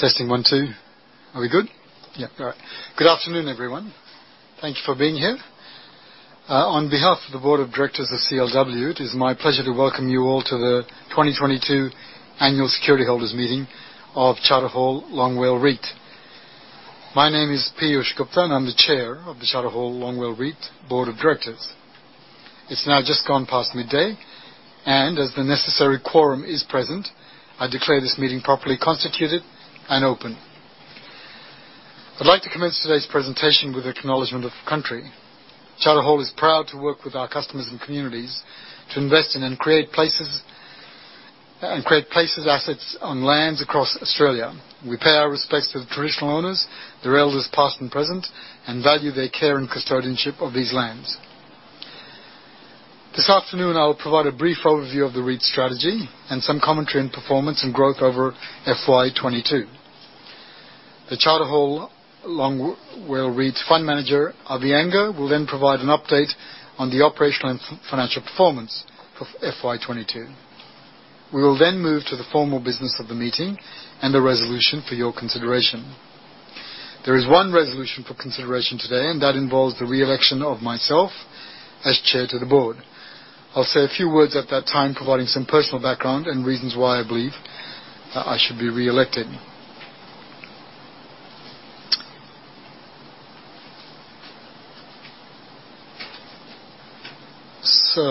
Testing one, two. Are we good? Yeah. All right. Good afternoon, everyone. Thank you for being here. On behalf of the board of directors of CLW, it is my pleasure to welcome you all to the 2022 Annual Security Holders Meeting of Charter Hall Long WALE REIT. My name is Peeyush Gupta, and I'm the chair of the Charter Hall Long WALE REIT board of directors. It's now just gone past midday, and as the necessary quorum is present, I declare this meeting properly constituted and open. I'd like to commence today's presentation with acknowledgement of country. Charter Hall is proud to work with our customers and communities to invest in and create places, assets on lands across Australia. We pay our respects to the traditional owners, their elders, past and present, and value their care and custodianship of these lands. This afternoon, I'll provide a brief overview of the REIT strategy and some commentary on performance and growth over FY 2022. The Charter Hall Long WALE REIT fund manager, Avi Anger, will then provide an update on the operational and financial performance for FY 2022. We will then move to the formal business of the meeting and the resolution for your consideration. There is one resolution for consideration today, and that involves the re-election of myself as Chair of the board. I'll say a few words at that time, providing some personal background and reasons why I believe I should be re-elected. Now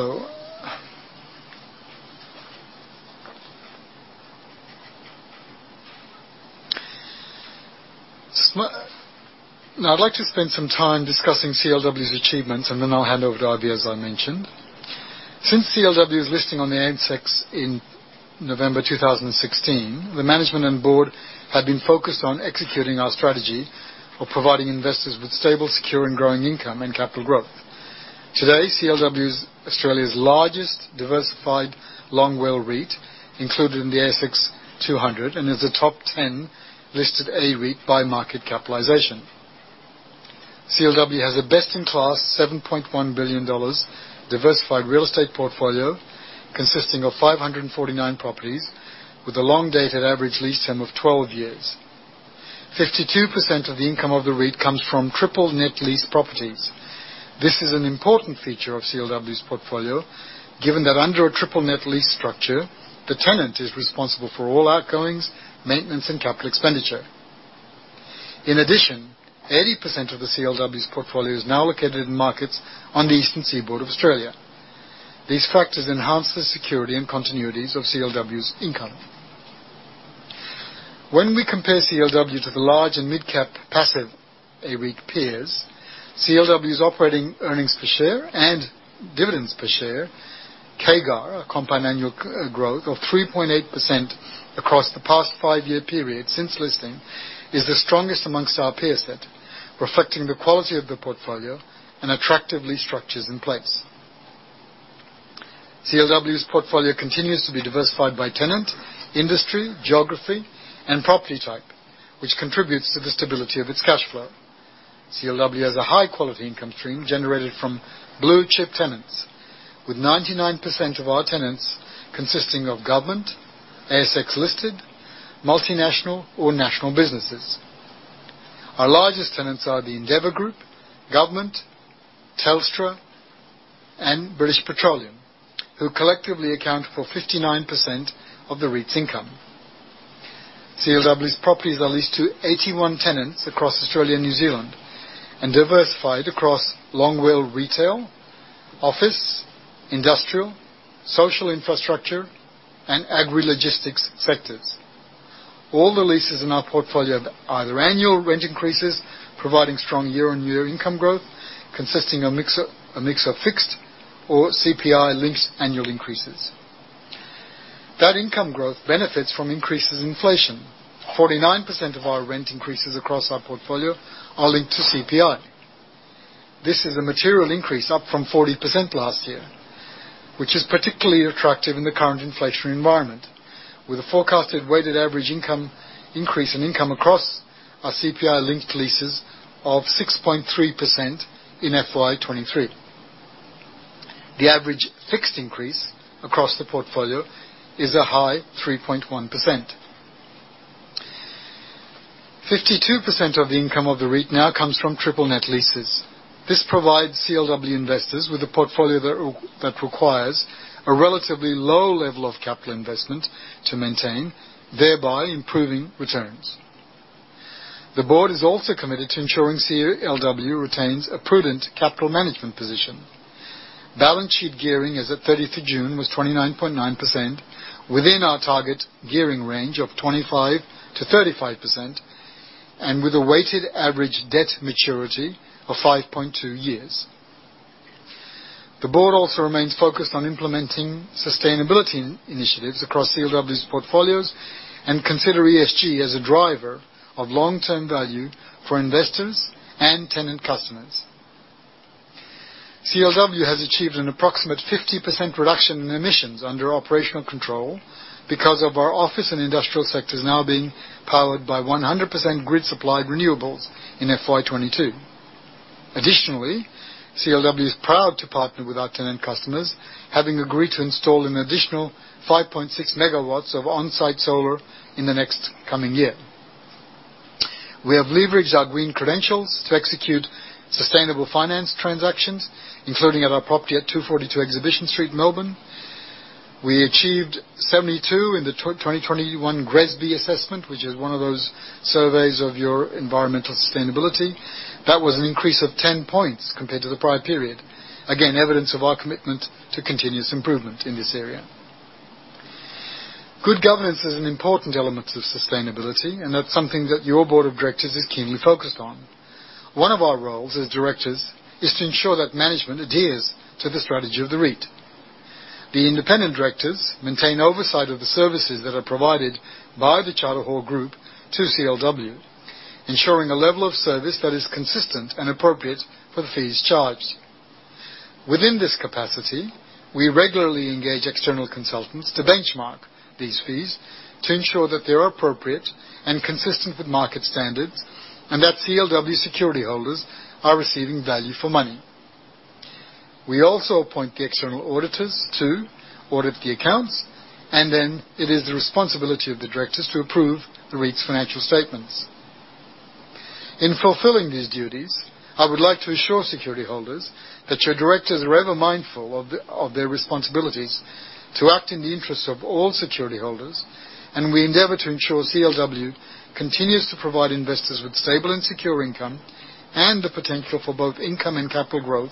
I'd like to spend some time discussing CLW's achievements, and then I'll hand over to Avi, as I mentioned. Since CLW's listing on the ASX in November 2016, the management and board have been focused on executing our strategy of providing investors with stable, secure, and growing income and capital growth. Today, CLW is Australia's largest diversified Long WALE REIT included in the ASX 200 and is a top ten listed A-REIT by market capitalization. CLW has a best-in-class 7.1 billion dollars diversified real estate portfolio consisting of 549 properties with a long-dated average lease term of 12 years. 52% of the income of the REIT comes from triple net lease properties. This is an important feature of CLW's portfolio, given that under a triple net lease structure, the tenant is responsible for all outgoings, maintenance, and capital expenditure. In addition, 80% of the CLW's portfolio is now located in markets on the eastern seaboard of Australia. These factors enhance the security and continuities of CLW's income. When we compare CLW to the large and midcap passive A-REIT peers, CLW's operating earnings per share and dividends per share CAGR, a combined annual growth of 3.8% across the past five-year period since listing, is the strongest among our peer set, reflecting the quality of the portfolio and attractive lease structures in place. CLW's portfolio continues to be diversified by tenant, industry, geography, and property type, which contributes to the stability of its cash flow. CLW has a high-quality income stream generated from blue-chip tenants, with 99% of our tenants consisting of government, ASX-listed, multinational or national businesses. Our largest tenants are the Endeavour Group, Government, Telstra, and British Petroleum, who collectively account for 59% of the REIT's income. CLW's properties are leased to 81 tenants across Australia and New Zealand and diversified across Long WALE retail, office, industrial, social infrastructure, and agri-logistics sectors. All the leases in our portfolio have either annual rent increases, providing strong year-on-year income growth, consisting of a mix of fixed or CPI-linked annual increases. That income growth benefits from increases in inflation. 49% of our rent increases across our portfolio are linked to CPI. This is a material increase, up from 40% last year, which is particularly attractive in the current inflationary environment. With a forecasted weighted average income increase in income across our CPI-linked leases of 6.3% in FY 2023. The average fixed increase across the portfolio is a high 3.1%. 52% of the income of the REIT now comes from triple net leases. This provides CLW investors with a portfolio that requires a relatively low level of capital investment to maintain, thereby improving returns. The board is also committed to ensuring CLW retains a prudent capital management position. Balance sheet gearing as of 30th of June was 29.9%, within our target gearing range of 25%-35%, and with a weighted average debt maturity of 5.2 years. The board also remains focused on implementing sustainability initiatives across CLW's portfolios and consider ESG as a driver of long-term value for investors and tenant customers. CLW has achieved an approximate 50% reduction in emissions under operational control because of our office and industrial sectors now being powered by 100% grid-supplied renewables in FY 2022. Additionally, CLW is proud to partner with our tenant customers, having agreed to install an additional 5.6 megawatts of on-site solar in the next coming year. We have leveraged our green credentials to execute sustainable finance transactions, including at our property at 242 Exhibition Street, Melbourne. We achieved 72 in the 2021 GRESB assessment, which is one of those surveys of your environmental sustainability. That was an increase of 10 points compared to the prior period. Again, evidence of our commitment to continuous improvement in this area. Good governance is an important element of sustainability, and that's something that your board of directors is keenly focused on. One of our roles as directors is to ensure that management adheres to the strategy of the REIT. The independent directors maintain oversight of the services that are provided by the Charter Hall Group to CLW, ensuring a level of service that is consistent and appropriate for the fees charged. Within this capacity, we regularly engage external consultants to benchmark these fees to ensure that they are appropriate and consistent with market standards and that CLW security holders are receiving value for money. We also appoint the external auditors to audit the accounts, and then it is the responsibility of the directors to approve the REIT's financial statements. In fulfilling these duties, I would like to assure security holders that your directors are ever mindful of their responsibilities to act in the interests of all security holders, and we endeavor to ensure CLW continues to provide investors with stable and secure income and the potential for both income and capital growth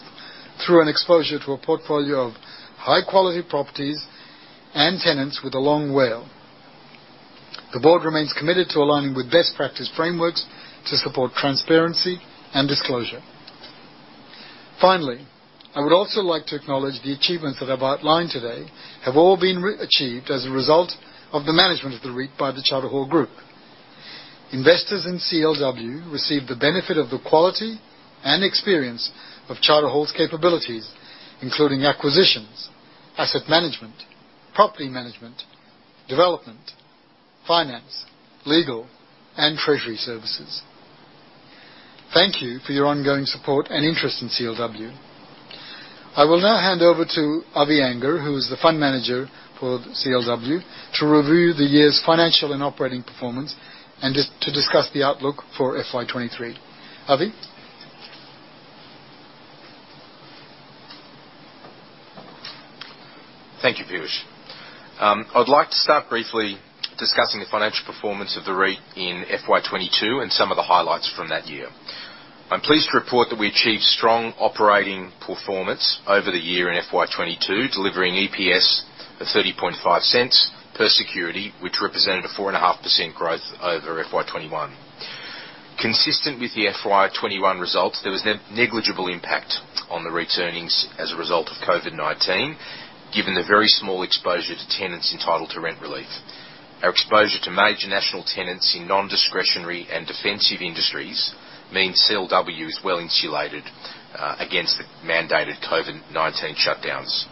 through an exposure to a portfolio of high-quality properties and tenants with a long WALE. The board remains committed to aligning with best practice frameworks to support transparency and disclosure. Finally, I would also like to acknowledge the achievements that I've outlined today have all been achieved as a result of the management of the REIT by the Charter Hall Group. Investors in CLW receive the benefit of the quality and experience of Charter Hall's capabilities, including acquisitions, asset management, property management, development, finance, legal, and treasury services. Thank you for your ongoing support and interest in CLW. I will now hand over to Avi Anger, who is the fund manager for CLW, to review the year's financial and operating performance and to discuss the outlook for FY 2023. Avi? Thank you, Peeyush. I'd like to start briefly discussing the financial performance of the REIT in FY 2022 and some of the highlights from that year. I'm pleased to report that we achieved strong operating performance over the year in FY 2022, delivering EPS of 0.305 per security, which represented a 4.5% growth over FY 2021. Consistent with the FY 2021 results, there was negligible impact on the REIT's earnings as a result of COVID-19, given the very small exposure to tenants entitled to rent relief. Our exposure to major national tenants in non-discretionary and defensive industries means CLW is well-insulated against the mandated COVID-19 shutdowns.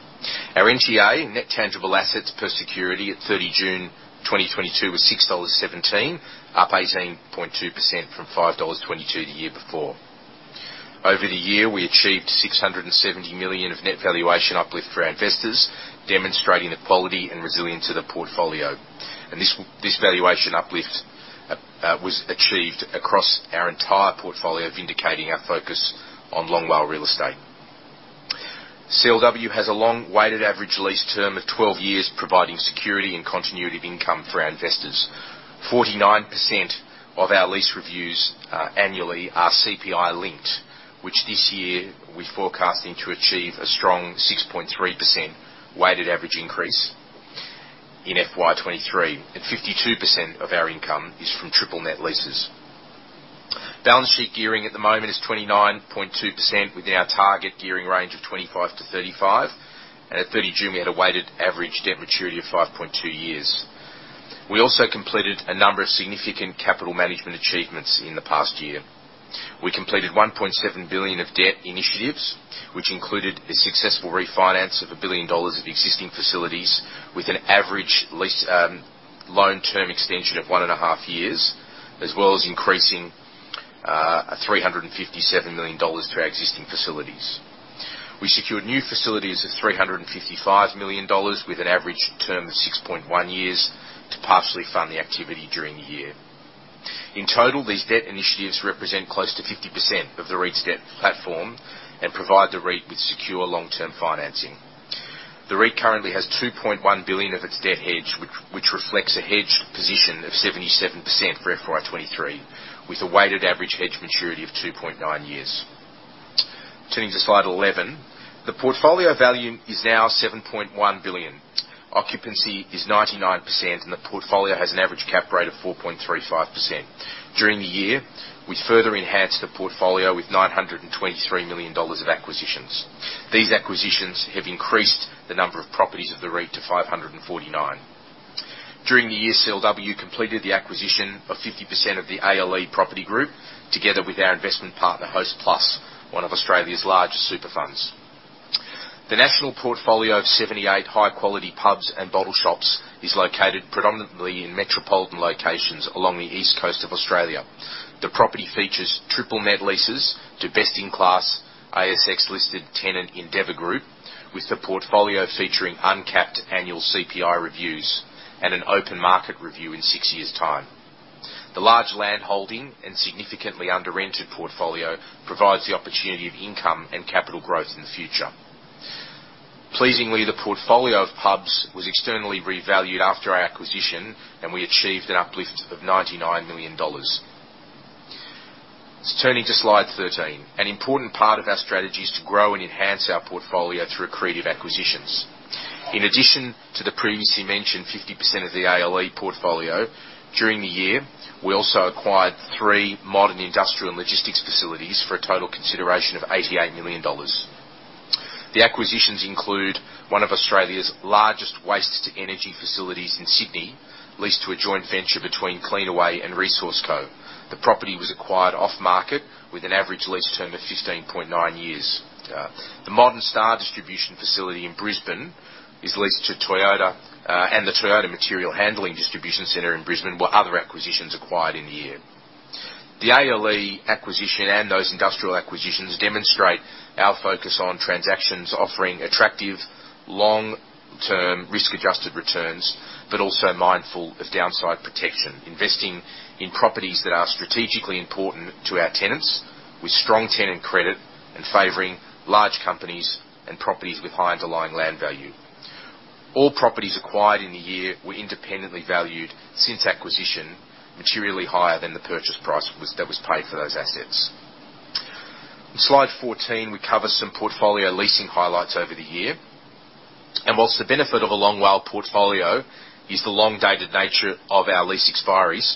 Our NTA, net tangible assets per security at 30 June 2022 was AUD 6.17, up 18.2% from AUD 5.22 the year before. Over the year, we achieved 670 million of net valuation uplift for our investors, demonstrating the quality and resilience of the portfolio. This valuation uplift was achieved across our entire portfolio, vindicating our focus on long WALE real estate. CLW has a long weighted average lease term of 12 years, providing security and continuity of income for our investors. 49% of our lease reviews annually are CPI linked, which this year we're forecasting to achieve a strong 6.3% weighted average increase in FY 2023, and 52% of our income is from triple net leases. Balance sheet gearing at the moment is 29.2% within our target gearing range of 25%-35%. At 30 June, we had a weighted average debt maturity of 5.2 years. We also completed a number of significant capital management achievements in the past year. We completed 1.7 billion of debt initiatives, which included a successful refinance of 1 billion dollars of existing facilities with an average loan term extension of 1.5 years, as well as increasing by 357 million dollars to our existing facilities. We secured new facilities of 355 million dollars with an average term of 6.1 years to partially fund the activity during the year. In total, these debt initiatives represent close to 50% of the REIT's debt platform and provide the REIT with secure long-term financing. The REIT currently has 2.1 billion of its debt hedged, which reflects a hedged position of 77% for FY 2023, with a weighted average hedge maturity of 2.9 years. Turning to slide 11. The portfolio value is now 7.1 billion. Occupancy is 99%, and the portfolio has an average cap rate of 4.35%. During the year, we further enhanced the portfolio with 923 million dollars of acquisitions. These acquisitions have increased the number of properties of the REIT to 549. During the year, CLW completed the acquisition of 50% of the ALE Property Group, together with our investment partner, Hostplus, one of Australia's largest super funds. The national portfolio of 78 high quality pubs and bottle shops is located predominantly in metropolitan locations along the East Coast of Australia. The property features triple net leases to best-in-class ASX-listed tenant Endeavour Group, with the portfolio featuring uncapped annual CPI reviews and an open market review in six years' time. The large land holding and significantly under-rented portfolio provides the opportunity of income and capital growth in the future. Pleasingly, the portfolio of pubs was externally revalued after our acquisition, and we achieved an uplift of 99 million dollars. Turning to slide 13. An important part of our strategy is to grow and enhance our portfolio through accretive acquisitions. In addition to the previously mentioned 50% of the ALE portfolio, during the year, we also acquired three modern industrial and logistics facilities for a total consideration of 88 million dollars. The acquisitions include one of Australia's largest waste-to-energy facilities in Sydney, leased to a joint venture between Cleanaway and ResourceCo. The property was acquired off-market with an average lease term of 15.9 years. The modern Star distribution facility in Brisbane is leased to Toyota, and the Toyota material handling distribution center in Brisbane were other acquisitions acquired in the year. The ALE acquisition and those industrial acquisitions demonstrate our focus on transactions offering attractive long-term risk-adjusted returns, but also mindful of downside protection, investing in properties that are strategically important to our tenants with strong tenant credit and favoring large companies and properties with high underlying land value. All properties acquired in the year were independently valued since acquisition, materially higher than the purchase price that was paid for those assets. In slide 14, we cover some portfolio leasing highlights over the year. While the benefit of a Long WALE portfolio is the long-dated nature of our lease expiries,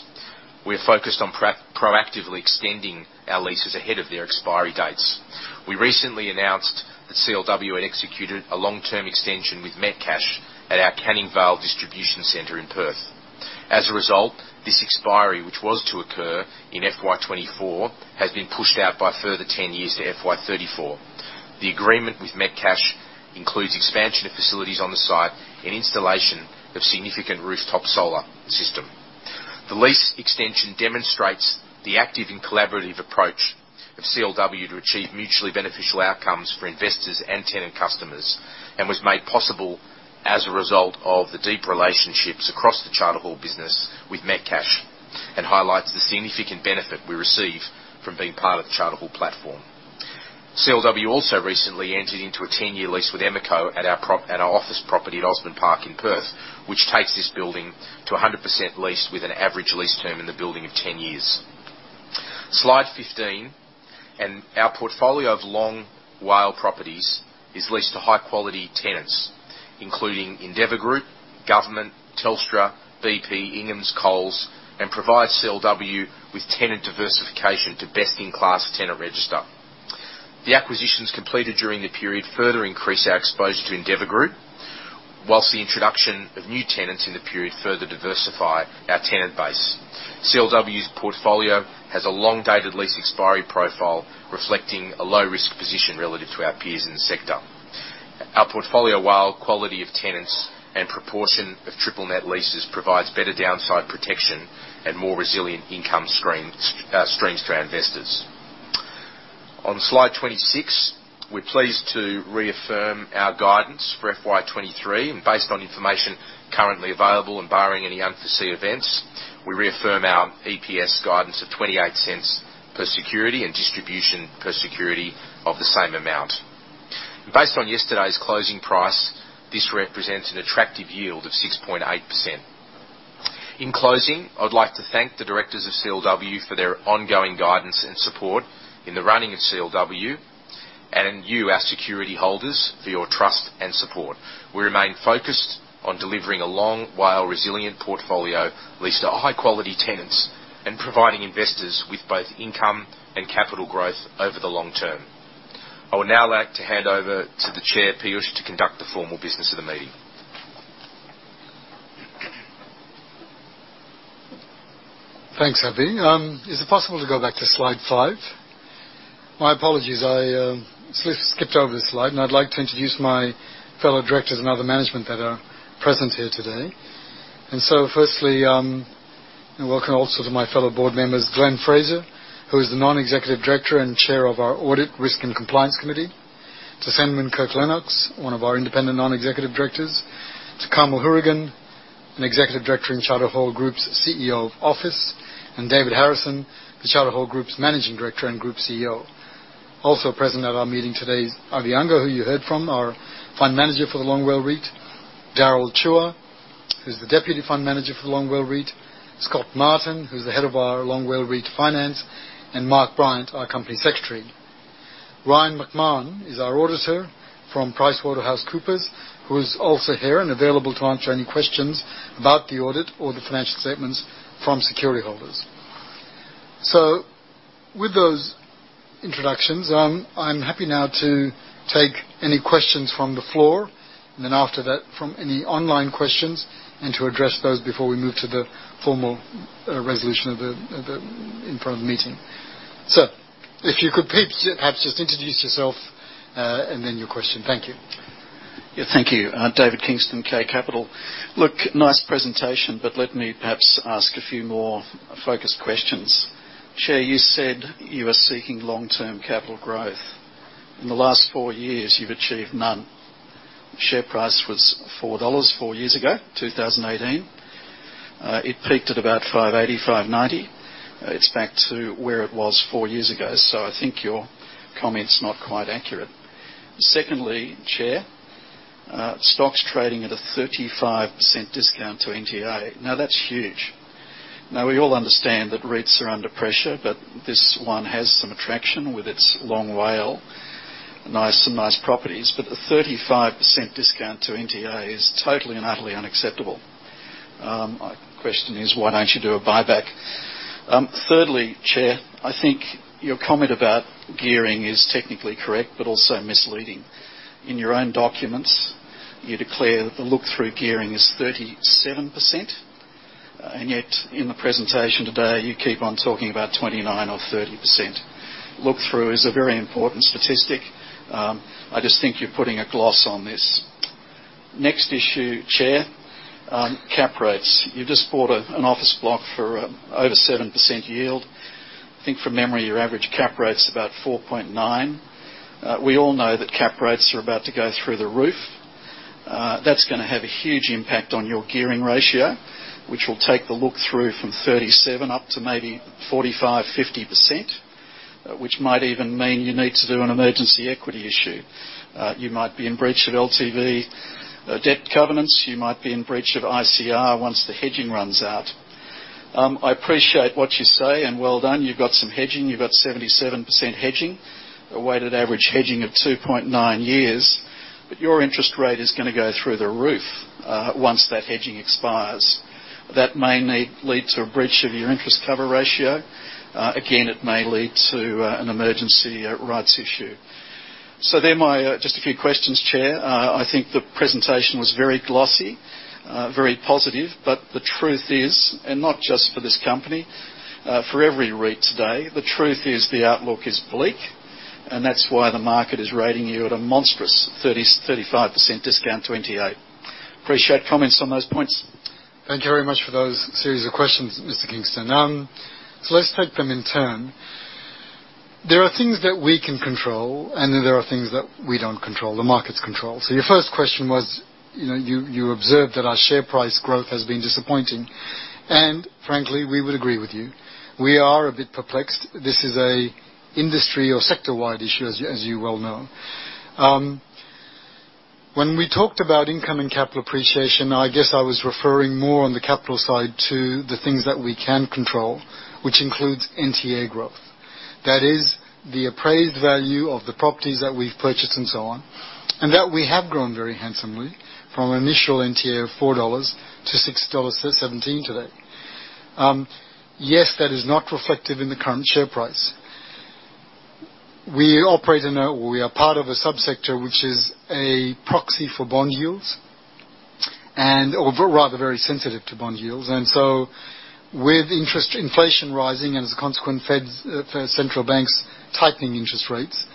we are focused on proactively extending our leases ahead of their expiry dates. We recently announced that CLW had executed a long-term extension with Metcash at our Canning Vale distribution center in Perth. As a result, this expiry, which was to occur in FY 2024, has been pushed out by a further 10 years to FY 2034. The agreement with Metcash includes expansion of facilities on the site and installation of significant rooftop solar system. The lease extension demonstrates the active and collaborative approach of CLW to achieve mutually beneficial outcomes for investors and tenant customers, and was made possible as a result of the deep relationships across the Charter Hall business with Metcash, and highlights the significant benefit we receive from being part of the Charter Hall platform. CLW also recently entered into a 10-year lease with Emeco at our office property at Osborne Park in Perth, which takes this building to 100% leased with an average lease term in the building of 10 years. Slide 15. Our portfolio of Long WALE properties is leased to high-quality tenants, including Endeavour Group, Government, Telstra, BP, Inghams, Coles, and provides CLW with tenant diversification to best-in-class tenant register. The acquisitions completed during the period further increase our exposure to Endeavour Group, while the introduction of new tenants in the period further diversify our tenant base. CLW's portfolio has a long-dated lease expiry profile, reflecting a low-risk position relative to our peers in the sector. Our portfolio WALE quality of tenants and proportion of triple net leases provides better downside protection and more resilient income stream, streams to our investors. On slide 26, we're pleased to reaffirm our guidance for FY 2023, and based on information currently available and barring any unforeseen events, we reaffirm our EPS guidance of 0.28 per security and distribution per security of the same amount. Based on yesterday's closing price, this represents an attractive yield of 6.8%. In closing, I would like to thank the directors of CLW for their ongoing guidance and support in the running of CLW and you, our security holders, for your trust and support. We remain focused on delivering a Long WALE resilient portfolio leased to high-quality tenants and providing investors with both income and capital growth over the long term. I would now like to hand over to the chair, Peeyush, to conduct the formal business of the meeting. Thanks, Avi. Is it possible to go back to slide five? My apologies, I skipped over the slide, and I'd like to introduce my fellow directors and other management that are present here today. Firstly, welcome also to my fellow board members, Glenn Fraser, who is the Non-Executive Director and Chair of our Audit, Risk and Compliance Committee. To Ceinwen Kirk-Lennox, one of our independent Non-Executive Directors. To Carmel Hourigan, an Executive Director in Charter Hall Group's CEO office, and David Harrison, the Charter Hall Group's Managing Director and Group CEO. Also present at our meeting today is Avi Anger, who you heard from, our Fund Manager for the Long WALE REIT. Darryl Chua, who's the Deputy Fund Manager for the Long WALE REIT. Scott Martin, who's the Head of our Long WALE REIT Finance, and Mark Bryant, our Company Secretary. Ryan McMahon is our auditor from PricewaterhouseCoopers, who is also here and available to answer any questions about the audit or the financial statements from security holders. With those introductions, I'm happy now to take any questions from the floor. And then after that from any online questions and to address those before we move to the formal resolution of the in front of the meeting. If you could please perhaps just introduce yourself and then your question. Thank you. Yeah, thank you. David Kingston, K Capital. Look, nice presentation, but let me perhaps ask a few more focused questions. Chair, you said you are seeking long-term capital growth. In the last four years, you've achieved none. Share price was 4 dollars four years ago, 2018. It peaked at about 5.80, 5.90. It's back to where it was four years ago. I think your comment's not quite accurate. Secondly, Chair, stock's trading at a 35% discount to NTA. Now, that's huge. Now, we all understand that rates are under pressure, but this one has some attraction with its long WALE, nice and nice properties. But a 35% discount to NTA is totally and utterly unacceptable. My question is, why don't you do a buyback? Thirdly, Chair, I think your comment about gearing is technically correct, but also misleading. In your own documents, you declare the look-through gearing is 37%, and yet in the presentation today, you keep on talking about 29 or 30%. Look-through is a very important statistic. I just think you're putting a gloss on this. Next issue, Chair, cap rates. You just bought an office block for over 7% yield. I think from memory, your average cap rate's about 4.9. We all know that cap rates are about to go through the roof. That's gonna have a huge impact on your gearing ratio, which will take the look-through from 37 up to maybe 45-50%, which might even mean you need to do an emergency equity issue. You might be in breach of LTV debt covenants. You might be in breach of ICR once the hedging runs out. I appreciate what you say, and well done. You've got some hedging. You've got 77% hedging. A weighted average hedging of 2.9 years. Your interest rate is gonna go through the roof once that hedging expires. That may lead to a breach of your interest cover ratio. Again, it may lead to an emergency rights issue. There are my just a few questions, Chair. I think the presentation was very glossy, very positive. The truth is, and not just for this company, for every REIT today, the truth is the outlook is bleak, and that's why the market is rating you at a monstrous 35% discount to NTA. Appreciate comments on those points. Thank you very much for those series of questions, Mr. Kingston. Let's take them in turn. There are things that we can control, and then there are things that we don't control, the markets control. Your first question was, you know, you observed that our share price growth has been disappointing. Frankly, we would agree with you. We are a bit perplexed. This is an industry or sector-wide issue, as you well know. When we talked about income and capital appreciation, I guess I was referring more on the capital side to the things that we can control, which includes NTA growth. That is the appraised value of the properties that we've purchased and so on, and that we have grown very handsomely from an initial NTA of 4 dollars to 6.17 dollars today. Yes, that is not reflected in the current share price. We are part of a subsector, which is a proxy for bond yields and/or rather very sensitive to bond yields. With inflation rising and as a consequence, Fed, central banks tightening interest rates,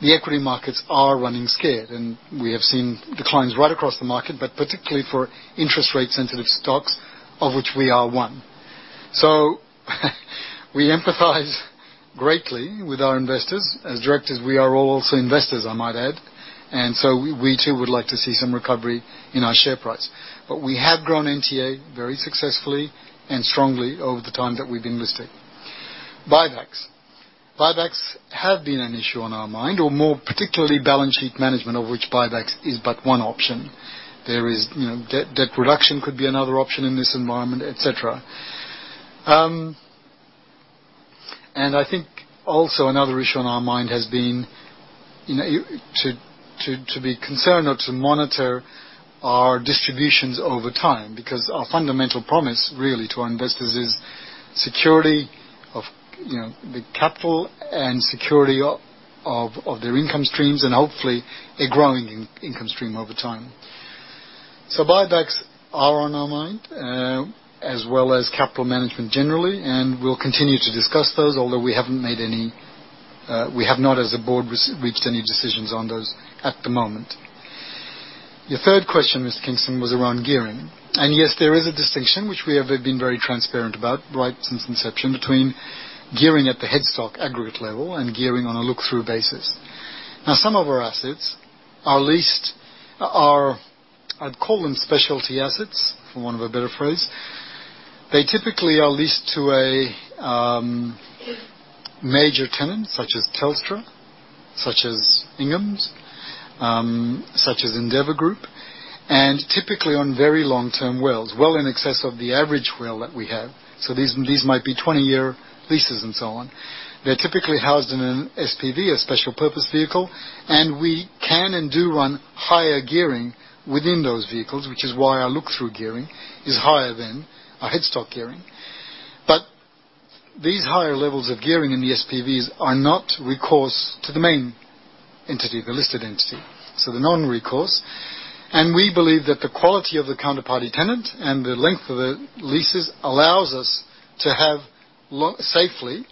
the equity markets are running scared, and we have seen declines right across the market, but particularly for interest rate sensitive stocks, of which we are one. We empathize greatly with our investors. As directors, we are all also investors, I might add. We too would like to see some recovery in our share price. We have grown NTA very successfully and strongly over the time that we've been listed. Buybacks. Buybacks have been an issue on our mind, or more particularly, balance sheet management, of which buybacks is but one option. There is, you know, debt reduction could be another option in this environment, et cetera. I think also another issue on our mind has been, you know, to be concerned or to monitor our distributions over time, because our fundamental promise really to our investors is security of, you know, the capital and security of their income streams and hopefully a growing income stream over time. Buybacks are on our mind, as well as capital management generally, and we'll continue to discuss those, although we haven't made any, we have not, as a board, reached any decisions on those at the moment. Your third question, Mr. Kingston, was around gearing. Yes, there is a distinction which we have been very transparent about right since inception, between gearing at the head entity aggregate level and gearing on a look-through basis. Now, some of our assets are leased, I'd call them specialty assets for want of a better phrase. They typically are leased to a major tenant such as Telstra, such as Inghams, such as Endeavour Group, and typically on very long-term WALEs, well in excess of the average WALE that we have. These might be 20-year leases and so on. They're typically housed in an SPV, a special purpose vehicle, and we can and do run higher gearing within those vehicles, which is why our look-through gearing is higher than our head entity gearing. These higher levels of gearing in the SPVs are not recourse to the main entity, the listed entity, so they're non-recourse. We believe that the quality of the counterparty tenant and the length of the leases allows us to have safely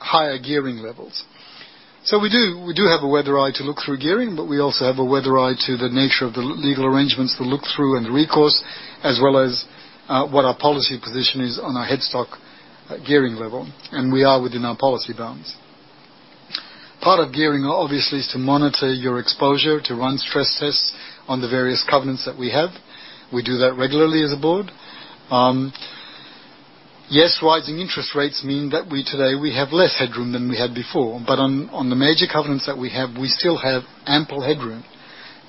higher gearing levels. We do have a weather eye to look through gearing, but we also have a weather eye to the nature of the legal arrangements to look through and recourse as well as what our policy position is on our headroom gearing level, and we are within our policy bounds. Part of gearing, obviously, is to monitor your exposure, to run stress tests on the various covenants that we have. We do that regularly as a board. Yes, rising interest rates mean that we today have less headroom than we had before, but on the major covenants that we have, we still have ample headroom.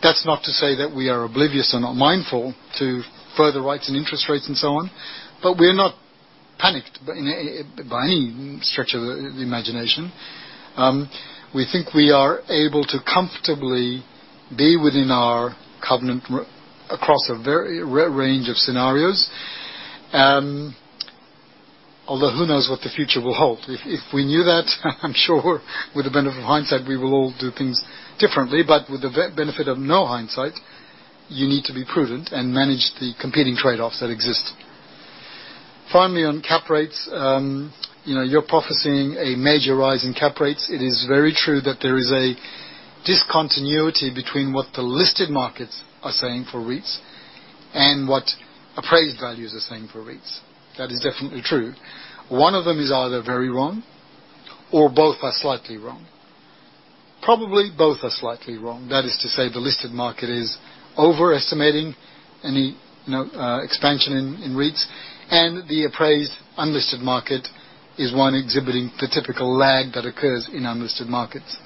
That's not to say that we are oblivious or not mindful to further hikes and interest rates and so on, but we're not panicked by any stretch of the imagination. We think we are able to comfortably be within our covenant across a very rare range of scenarios, although who knows what the future will hold. If we knew that, I'm sure with the benefit of hindsight, we will all do things differently, but with the benefit of no hindsight, you need to be prudent and manage the competing trade-offs that exist. Finally, on cap rates, you know, you're prophesying a major rise in cap rates. It is very true that there is a discontinuity between what the listed markets are saying for REITs and what appraised values are saying for REITs. That is definitely true. One of them is either very wrong or both are slightly wrong. Probably both are slightly wrong. That is to say the listed market is overestimating any, you know, expansion in REITs, and the appraised unlisted market is one exhibiting the typical lag that occurs in unlisted markets.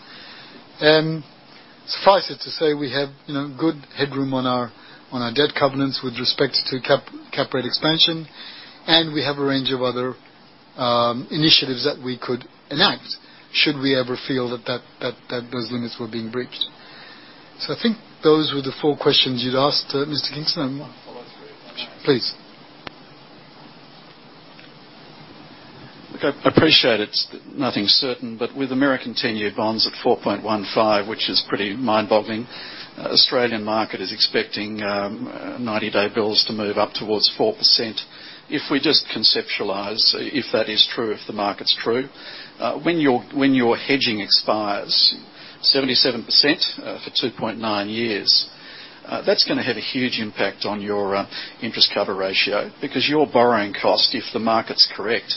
Suffice it to say, we have, you know, good headroom on our, on our debt covenants with respect to cap rate expansion, and we have a range of other initiatives that we could enact should we ever feel that those limits were being breached. I think those were the four questions you'd asked, Mr. Kingston. Follow through. Please. Look, I appreciate it's nothing certain, but with American ten-year bonds at 4.15, which is pretty mind-boggling, Australian market is expecting ninety-day bills to move up towards 4%. If we just conceptualize, if that is true, if the market's true, when your hedging expires 77% for 2.9 years, that's gonna have a huge impact on your interest cover ratio because your borrowing cost, if the market's correct,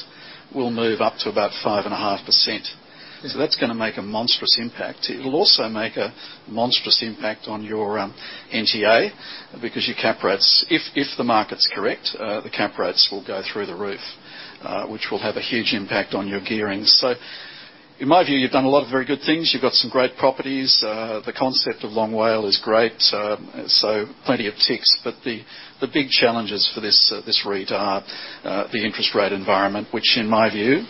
will move up to about 5.5%. Yes. That's gonna make a monstrous impact. It will also make a monstrous impact on your NTA because your cap rates. If the market's correct, the cap rates will go through the roof, which will have a huge impact on your gearing. In my view, you've done a lot of very good things. You've got some great properties. The concept of Long WALE is great. Plenty of ticks, but the big challenges for this REIT are the interest rate environment, which in my view,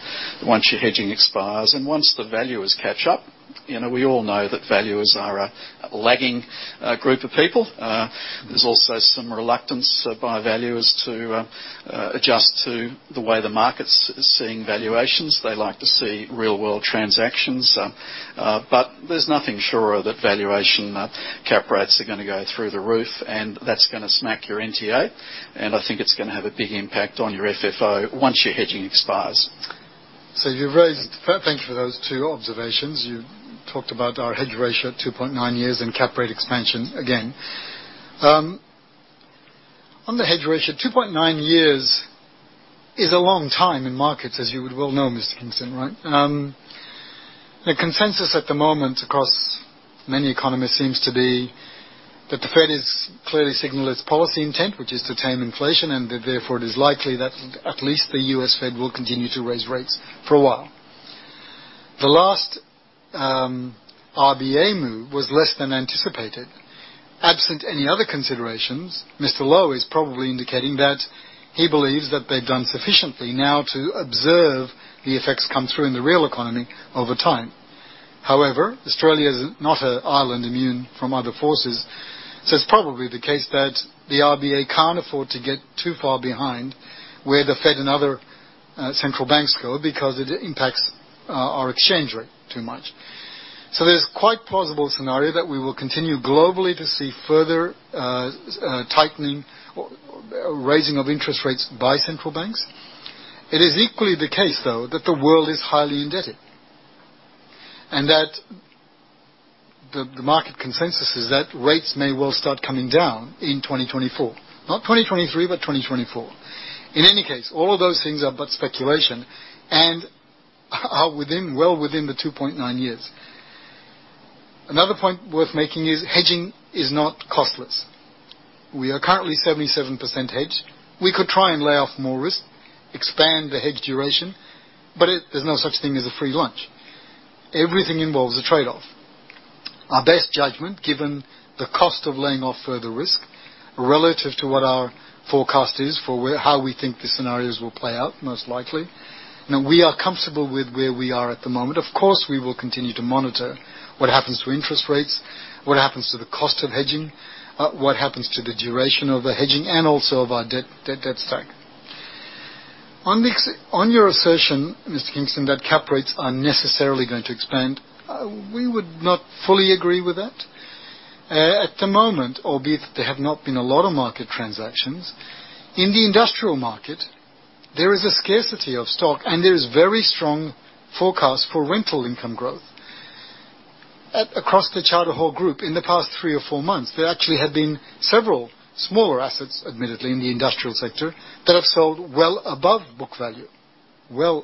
once your hedging expires and once the valuers catch up, you know, we all know that valuers are a lagging group of people. There's also some reluctance by valuers to adjust to the way the market's seeing valuations. They like to see real-world transactions, but there's nothing surer that valuation cap rates are gonna go through the roof, and that's gonna smack your NTA, and I think it's gonna have a big impact on your FFO once your hedging expires. Thank you for those two observations. You talked about our hedge ratio at 2.9 years and cap rate expansion again. On the hedge ratio, 2.9 years is a long time in markets, as you would well know, Mr. Kingston, right? The consensus at the moment across many economists seems to be that the Fed is clearly signaling its policy intent, which is to tame inflation, and therefore it is likely that at least the U.S. Fed will continue to raise rates for a while. The last RBA move was less than anticipated. Absent any other considerations, Mr. Lowe is probably indicating that he believes that they've done sufficiently now to observe the effects come through in the real economy over time. However, Australia is not an island immune from other forces, so it's probably the case that the RBA can't afford to get too far behind where the Fed and other central banks go because it impacts our exchange rate too much. There's a quite plausible scenario that we will continue globally to see further tightening or raising of interest rates by central banks. It is equally the case, though, that the world is highly indebted and that the market consensus is that rates may well start coming down in 2024. Not 2023, but 2024. In any case, all of those things are but speculation and are within, well within the 2.9 years. Another point worth making is hedging is not costless. We are currently 77% hedged. We could try and lay off more risk, expand the hedge duration, but there's no such thing as a free lunch. Everything involves a trade-off. Our best judgment, given the cost of laying off further risk relative to what our forecast is for how we think the scenarios will play out most likely. Now we are comfortable with where we are at the moment. Of course, we will continue to monitor what happens to interest rates, what happens to the cost of hedging, what happens to the duration of the hedging, and also of our debt stack. On your assertion, Mr. Kingston, that cap rates are necessarily going to expand, we would not fully agree with that. At the moment, albeit there have not been a lot of market transactions, in the industrial market, there is a scarcity of stock, and there is very strong forecast for rental income growth. Across the Charter Hall Group in the past three or four months, there actually have been several smaller assets, admittedly in the industrial sector, that have sold well above book value. No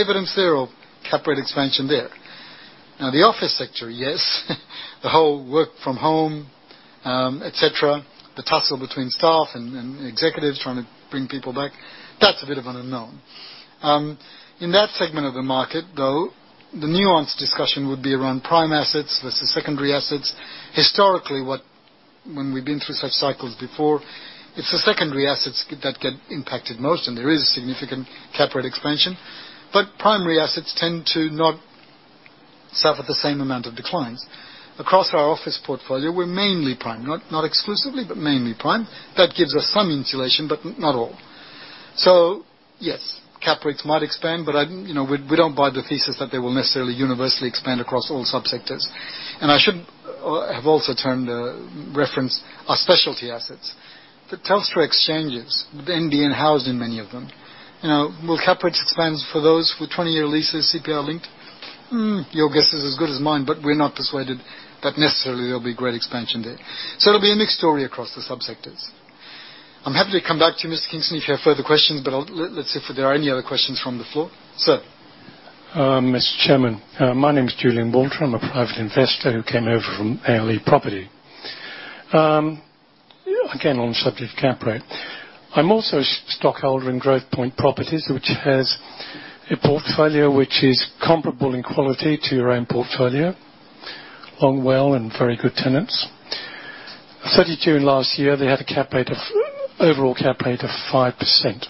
evidence there of cap rate expansion there. Now, the office sector, yes. The whole work from home, et cetera, the tussle between staff and executives trying to bring people back. That's a bit of an unknown. In that segment of the market, though, the nuanced discussion would be around prime assets versus secondary assets. Historically, when we've been through such cycles before, it's the secondary assets that get impacted most, and there is significant cap rate expansion. Primary assets tend to not suffer the same amount of declines. Across our office portfolio, we're mainly prime. Not exclusively, but mainly prime. That gives us some insulation, but not all. Yes, cap rates might expand, but you know, we don't buy the thesis that they will necessarily universally expand across all subsectors. I should have also made reference to our specialty assets. The Telstra exchanges, they're indeed housed in many of them. You know, will cap rates expand for those with 20-year leases, CPI linked? Your guess is as good as mine, but we're not persuaded that necessarily there'll be great expansion there. It'll be a mixed story across the subsectors. I'm happy to come back to you, Mr. Kingston, if you have further questions, but let's see if there are any other questions from the floor. Sir. Mr. Chairman. My name is Julian Waltram. I'm a private investor who came over from ALE Property. Again, on the subject of cap rate. I'm also a stockholder in Growthpoint Properties, which has a portfolio which is comparable in quality to your own portfolio. Long WALE and very good tenants. 30 June last year, they had an overall cap rate of 5%.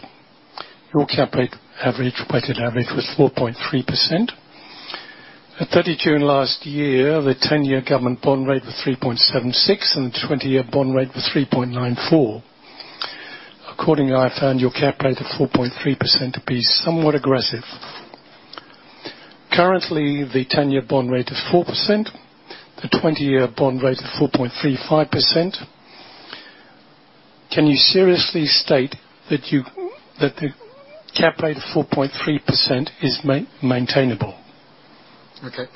Your weighted average cap rate was 4.3%. At 30 June last year, the ten-year government bond rate was 3.76, and the twenty-year bond rate was 3.94. Accordingly, I found your cap rate of 4.3% to be somewhat aggressive. Currently, the 10-year bond rate is 4%, the 20-year bond rate is 4.35%. Can you seriously state that the cap rate of 4.3% is maintainable? Okay.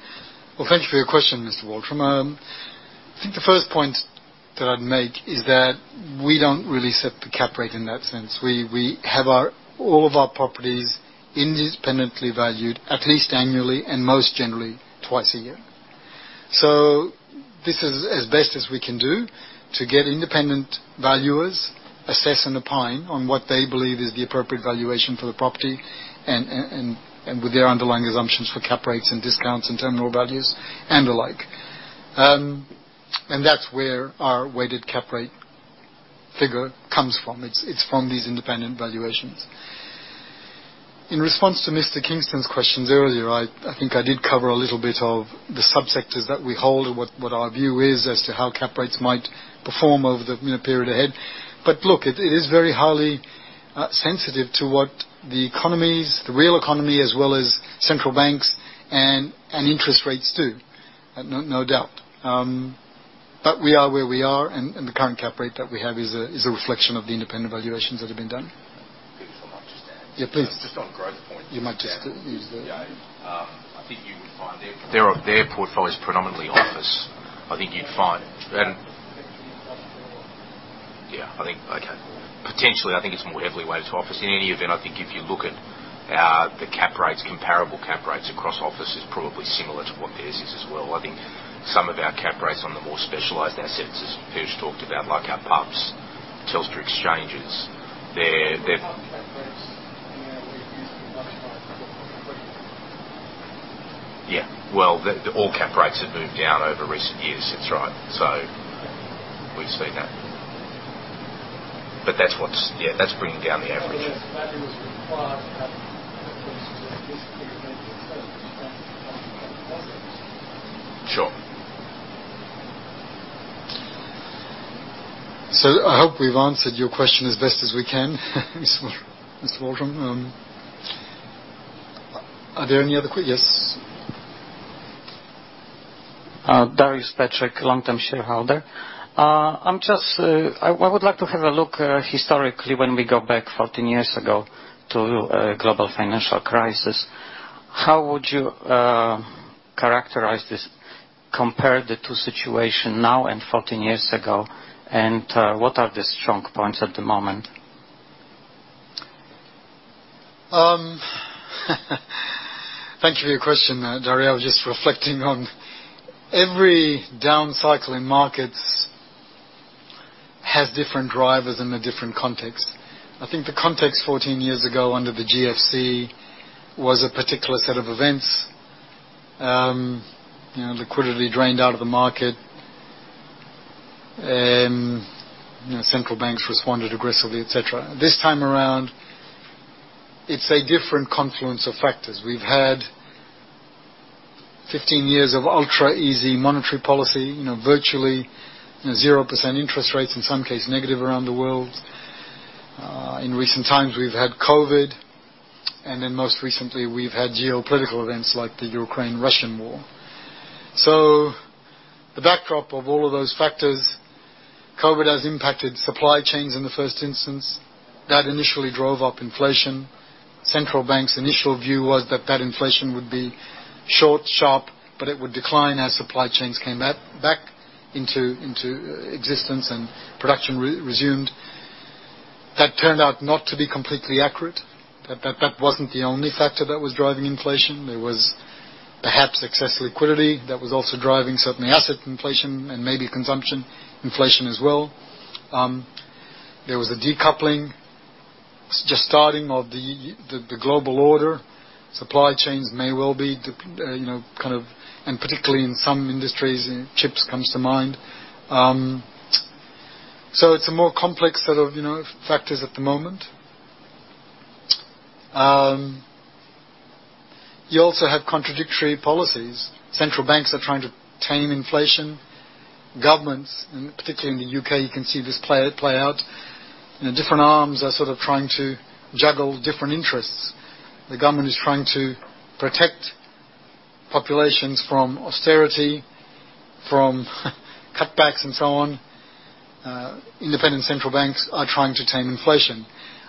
Well, thank you for your question, Mr. Waltram. I think the first point that I'd make is that we don't really set the cap rate in that sense. We have all of our properties independently valued at least annually and most generally twice a year. This is as best as we can do to get independent valuers assess and opine on what they believe is the appropriate valuation for the property and with their underlying assumptions for cap rates and discounts and terminal values and the like. That's where our weighted cap rate figure comes from. It's from these independent valuations. In response to Mr. Kingston's questions earlier, I think I did cover a little bit of the subsectors that we hold and what our view is as to how cap rates might perform over the, you know, period ahead. Look, it is very highly sensitive to what the economies, the real economy, as well as central banks and interest rates do. No doubt. We are where we are, and the current cap rate that we have is a reflection of the independent valuations that have been done. Peeyush, if I might just add. Yeah, please. Just on Growthpoint. You might just use the. Yeah, I think you would find their portfolio is predominantly office. I think you'd find it's more heavily weighted to office. In any event, I think if you look at the cap rates, comparable cap rates across office is probably similar to what theirs is as well. I think some of our cap rates on the more specialized assets, as Peeyush's talked about, like our pubs, Telstra exchanges, they're. Yeah. Well, all cap rates have moved down over recent years. That's right. We've seen that. That's what's bringing down the average. Sure. I hope we've answered your question as best as we can, Mr. Waltram. Are there any other? Yes. Darius Patrick, long-term shareholder. I'm just, I would like to have a look, historically, when we go back 14 years ago to, Global Financial Crisis. How would you characterize this, compare the two situation now and 14 years ago, and what are the strong points at the moment? Thank you for your question, Darius. Just reflecting on every down cycle in markets has different drivers and a different context. I think the context 14 years ago under the GFC was a particular set of events. You know, liquidity drained out of the market. You know, central banks responded aggressively, et cetera. This time around, it's a different confluence of factors. We've had 15 years of ultra easy monetary policy, you know, virtually, you know, 0% interest rates, in some cases negative around the world. In recent times, we've had COVID, and then most recently, we've had geopolitical events like the Ukraine-Russian war. The backdrop of all of those factors, COVID has impacted supply chains in the first instance. That initially drove up inflation. Central bank's initial view was that inflation would be short, sharp, but it would decline as supply chains came back into existence and production resumed. That turned out not to be completely accurate. That wasn't the only factor that was driving inflation. There was perhaps excess liquidity that was also driving certainly asset inflation and maybe consumption inflation as well. There was a decoupling just starting of the global order. Supply chains may well be decoupled, you know, kind of, particularly in some industries, and chips comes to mind. So it's a more complex set of, you know, factors at the moment. You also have contradictory policies. Central banks are trying to tame inflation. Governments, and particularly in the U.K., you can see this play out. You know, different arms are sort of trying to juggle different interests. The government is trying to protect populations from austerity, from cutbacks and so on. Independent central banks are trying to tame inflation.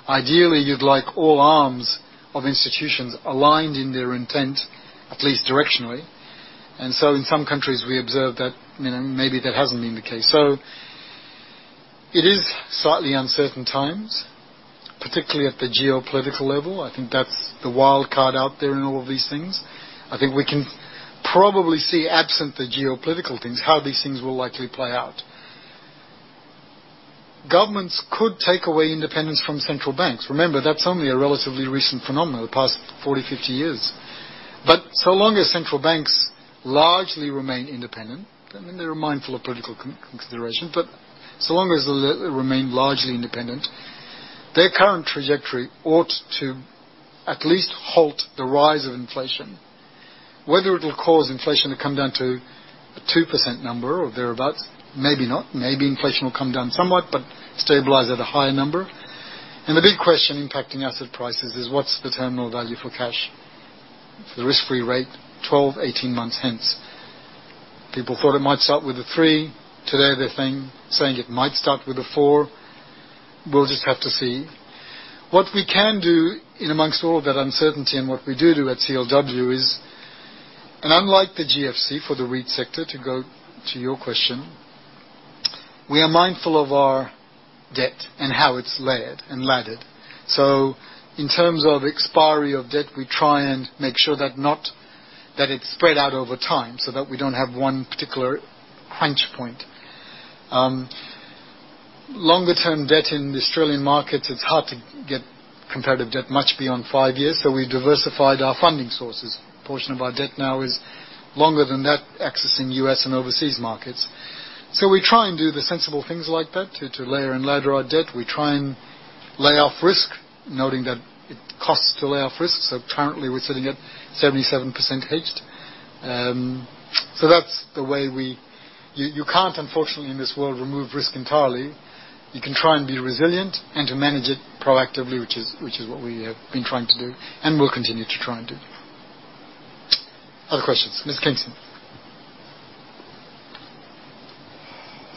Ideally, you'd like all arms of institutions aligned in their intent, at least directionally. In some countries, we observe that, you know, maybe that hasn't been the case. It is slightly uncertain times, particularly at the geopolitical level. I think that's the wild card out there in all of these things. I think we can probably see, absent the geopolitical things, how these things will likely play out. Governments could take away independence from central banks. Remember, that's only a relatively recent phenomenon in the past 40, 50 years. So long as central banks largely remain independent, and they're mindful of political consideration, but so long as they remain largely independent, their current trajectory ought to at least halt the rise of inflation. Whether it'll cause inflation to come down to a 2% number or thereabout, maybe not. Maybe inflation will come down somewhat but stabilize at a higher number. The big question impacting asset prices is what's the terminal value for cash for the risk-free rate 12, 18 months hence. People thought it might start with a three. Today, they're saying it might start with a four. We'll just have to see. What we can do in amongst all of that uncertainty and what we do at CLW is. Unlike the GFC for the REIT sector, to go to your question, we are mindful of our debt and how it's layered and laddered. In terms of expiry of debt, we try and make sure that it's spread out over time so that we don't have one particular crunch point. Longer term debt in the Australian market, it's hard to get competitive debt much beyond five years, so we diversified our funding sources. A portion of our debt now is longer than that, accessing U.S. and overseas markets. We try and do the sensible things like that to layer and ladder our debt. We try and lay off risk, noting that it costs to lay off risk, so currently we're sitting at 77% hedged. That's the way we. You can't, unfortunately, in this world, remove risk entirely. You can try and be resilient and to manage it proactively, which is what we have been trying to do and will continue to try and do. Other questions. Mr. Kingston.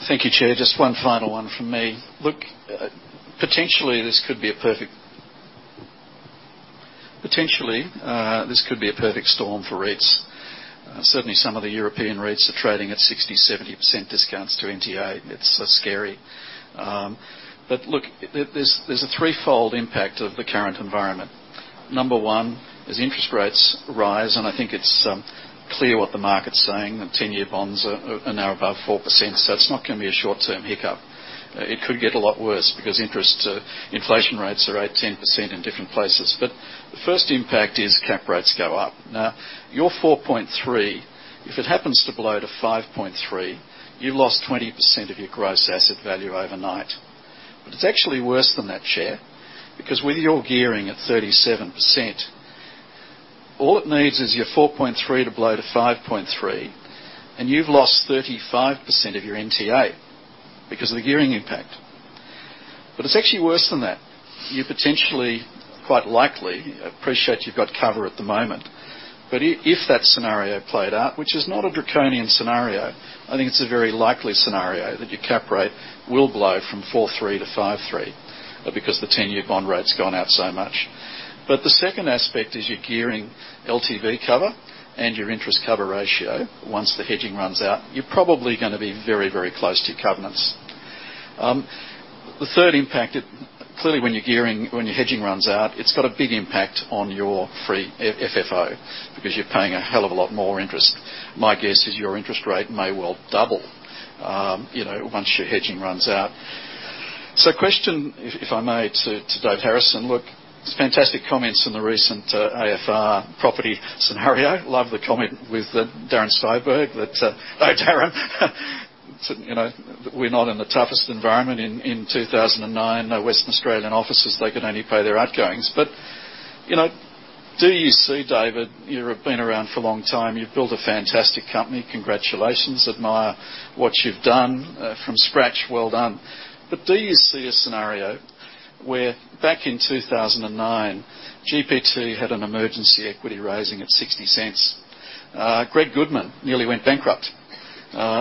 Thank you, Chair. Just one final one from me. Look, potentially this could be a perfect storm for REITs. Certainly some of the European REITs are trading at 60, 70% discounts to NTA. It's scary. Look, there's a threefold impact of the current environment. Number one, as interest rates rise, and I think it's clear what the market's saying, that 10-year bonds are now above 4%, so it's not gonna be a short-term hiccup. It could get a lot worse because inflation rates are at 10% in different places. The first impact is cap rates go up. Now, your 4.3, if it happens to blow to 5.3, you've lost 20% of your gross asset value overnight. It's actually worse than that, Chair, because with your gearing at 37%, all it needs is your 4.3 to blow to 5.3, and you've lost 35% of your NTA because of the gearing impact. It's actually worse than that. You potentially, quite likely, appreciate you've got cover at the moment, but if that scenario played out, which is not a draconian scenario, I think it's a very likely scenario that your cap rate will blow from 4.3 to 5.3, because the 10-year bond rate's gone out so much. The second aspect is your gearing LTV cover and your interest cover ratio. Once the hedging runs out, you're probably gonna be very, very close to your covenants. The third impact it. Clearly, when your gearing, when your hedging runs out, it's got a big impact on your free FFO because you're paying a hell of a lot more interest. My guess is your interest rate may well double, you know, once your hedging runs out. Question, if I may to David Harrison. Look, it's fantastic comments in the recent AFR property scenario. Love the comment with Darren Steinberg that, oh, Darren, you know, we're not in the toughest environment in 2009. No Western Australian offices, they could only pay their outgoings. You know, do you see, David, you have been around for a long time. You've built a fantastic company. Congratulations. Admire what you've done from scratch. Well done. Do you see a scenario where back in 2009, GPT had an emergency equity raising at 0.60. Greg Goodman nearly went bankrupt,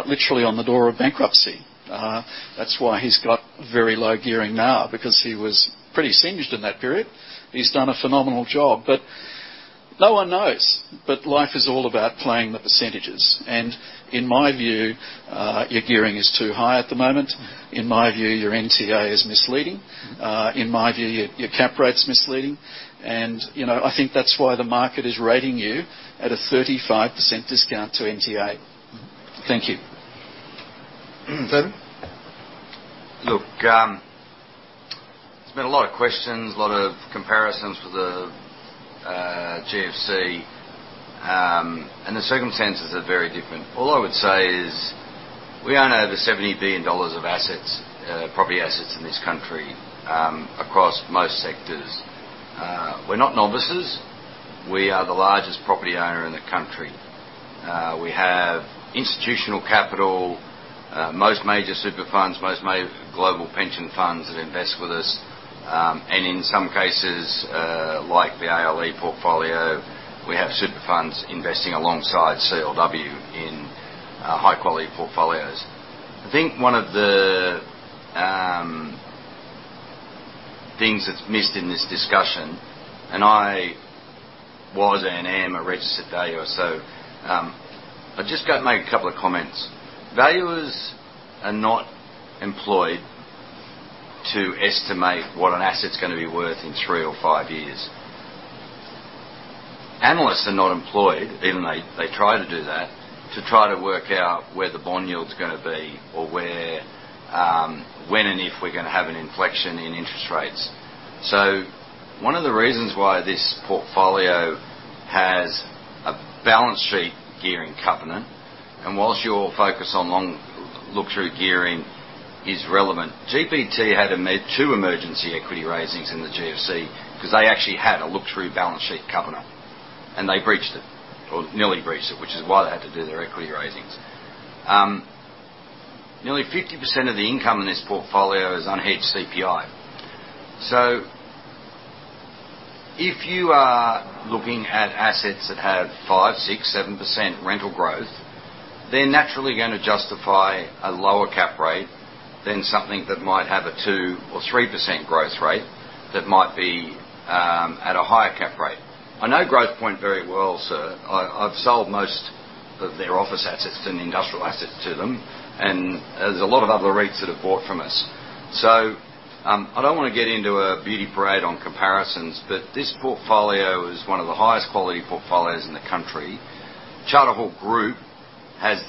literally on the door of bankruptcy. That's why he's got very low gearing now because he was pretty singed in that period. He's done a phenomenal job. No one knows, but life is all about playing the percentages, and in my view, your gearing is too high at the moment. In my view, your NTA is misleading. In my view, your cap rate's misleading, and, you know, I think that's why the market is rating you at a 35% discount to NTA. Thank you. David. Look, there's been a lot of questions, a lot of comparisons with the GFC, and the circumstances are very different. All I would say is we own over 70 billion dollars of assets, property assets in this country, across most sectors. We're not novices. We are the largest property owner in the country. We have institutional capital, most major super funds, most global pension funds that invest with us, and in some cases, like the ALE portfolio, we have super funds investing alongside CLW in high-quality portfolios. I think one of the things that's missed in this discussion, and I was and am a registered valuer, so I just got to make a couple of comments. Valuers are not employed to estimate what an asset's gonna be worth in three or five years. Analysts are not employed, even they try to do that, to try to work out where the bond yield's gonna be or where, when, and if we're gonna have an inflection in interest rates. One of the reasons why this portfolio has a balance sheet gearing covenant, and while your focus on long look-through gearing is relevant, GPT had two emergency equity raisings in the GFC because they actually had a look-through balance sheet covenant, and they breached it, or nearly breached it, which is why they had to do their equity raisings. Nearly 50% of the income in this portfolio is unhedged CPI. If you are looking at assets that have 5, 6, 7% rental growth, they're naturally gonna justify a lower cap rate than something that might have a 2 or 3% growth rate that might be at a higher cap rate. I know Growthpoint very well, sir. I've sold most of their office assets and industrial assets to them, and there's a lot of other REITs that have bought from us. I don't wanna get into a beauty parade on comparisons, but this portfolio is one of the highest quality portfolios in the country. Charter Hall Group has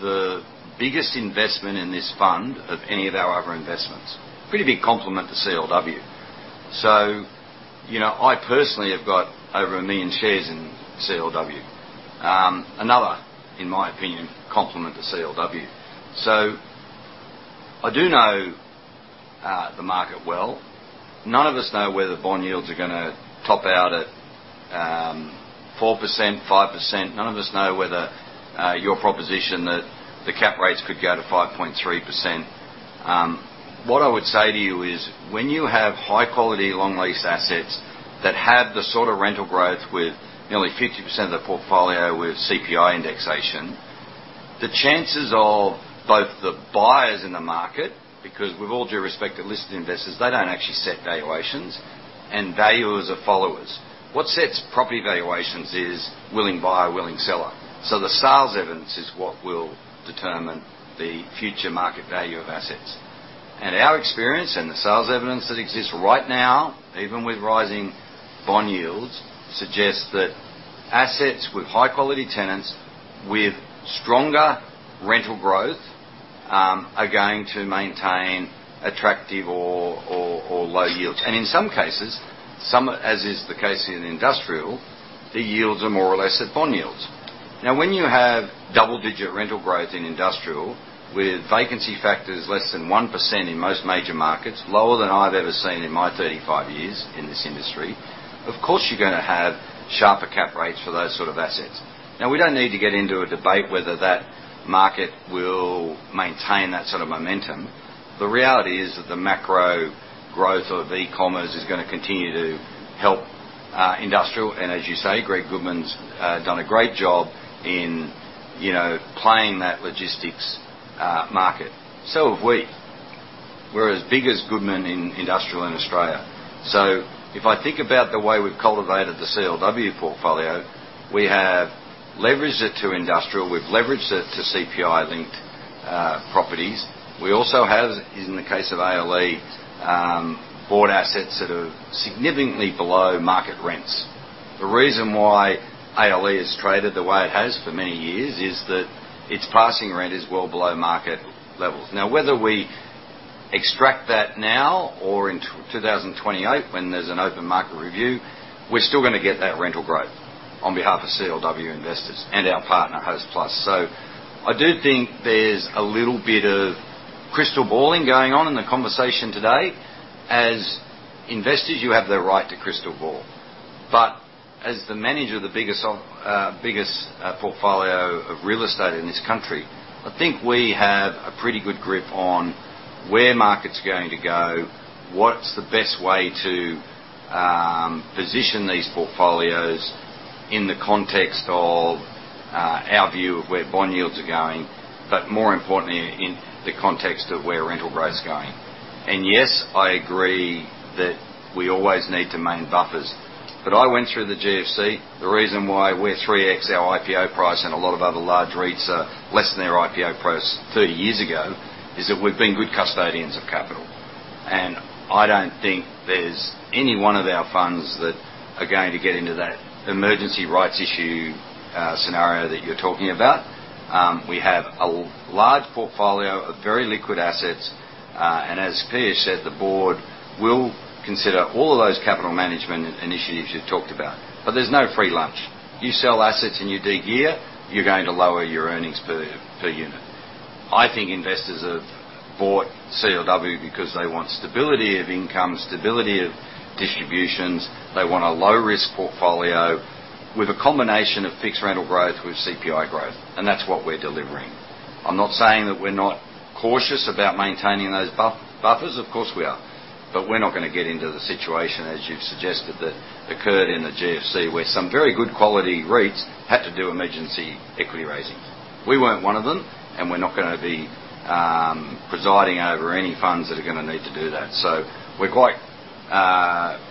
the biggest investment in this fund of any of our other investments. Pretty big compliment to CLW. You know, I personally have got over 1 million shares in CLW. Another, in my opinion, compliment to CLW. I do know the market well. None of us know whether bond yields are gonna top out at 4%, 5%. None of us know whether your proposition that the cap rates could go to 5.3%. What I would say to you is, when you have high-quality, long lease assets that have the sort of rental growth with nearly 50% of the portfolio with CPI indexation, the chances of both the buyers in the market, because with all due respect to listed investors, they don't actually set valuations, and valuers are followers. What sets property valuations is willing buyer, willing seller. The sales evidence is what will determine the future market value of assets. Our experience and the sales evidence that exists right now, even with rising bond yields, suggests that assets with high-quality tenants with stronger rental growth are going to maintain attractive or low yields. In some cases, as is the case in industrial, the yields are more or less at bond yields. Now, when you have double-digit rental growth in industrial with vacancy factors less than 1% in most major markets, lower than I've ever seen in my 35 years in this industry, of course, you're gonna have sharper cap rates for those sort of assets. Now, we don't need to get into a debate whether that market will maintain that sort of momentum. The reality is that the macro growth of e-commerce is gonna continue to help industrial, and as you say, Greg Goodman's done a great job in, you know, playing that logistics market. Have we. We're as big as Goodman in industrial in Australia. If I think about the way we've cultivated the CLW portfolio, we have leveraged it to industrial, we've leveraged it to CPI-linked properties. We also have, in the case of ALE, bought assets that are significantly below market rents. The reason why ALE is traded the way it has for many years is that its passing rent is well below market levels. Now, whether we extract that now or in 2028 when there's an open market review, we're still gonna get that rental growth on behalf of CLW investors and our partner, Hostplus. I do think there's a little bit of crystal balling going on in the conversation today. As investors, you have the right to crystal ball. But as the manager of the biggest portfolio of real estate in this country, I think we have a pretty good grip on where market's going to go, what's the best way to position these portfolios in the context of our view of where bond yields are going, but more importantly, in the context of where rental growth's going. Yes, I agree that we always need to maintain buffers. I went through the GFC. The reason why we're 3x our IPO price and a lot of other large REITs are less than their IPO price 30 years ago is that we've been good custodians of capital. I don't think there's any one of our funds that are going to get into that emergency rights issue scenario that you're talking about. We have a large portfolio of very liquid assets, and as Peeyush said, the board will consider all of those capital management initiatives you've talked about. There's no free lunch. You sell assets and you de-gear, you're going to lower your earnings per unit. I think investors have bought CLW because they want stability of income, stability of distributions. They want a low-risk portfolio with a combination of fixed rental growth with CPI growth, and that's what we're delivering. I'm not saying that we're not cautious about maintaining those buffers. Of course, we are. We're not gonna get into the situation, as you've suggested, that occurred in the GFC, where some very good quality REITs had to do emergency equity raisings. We weren't one of them, and we're not gonna be, presiding over any funds that are gonna need to do that. We're quite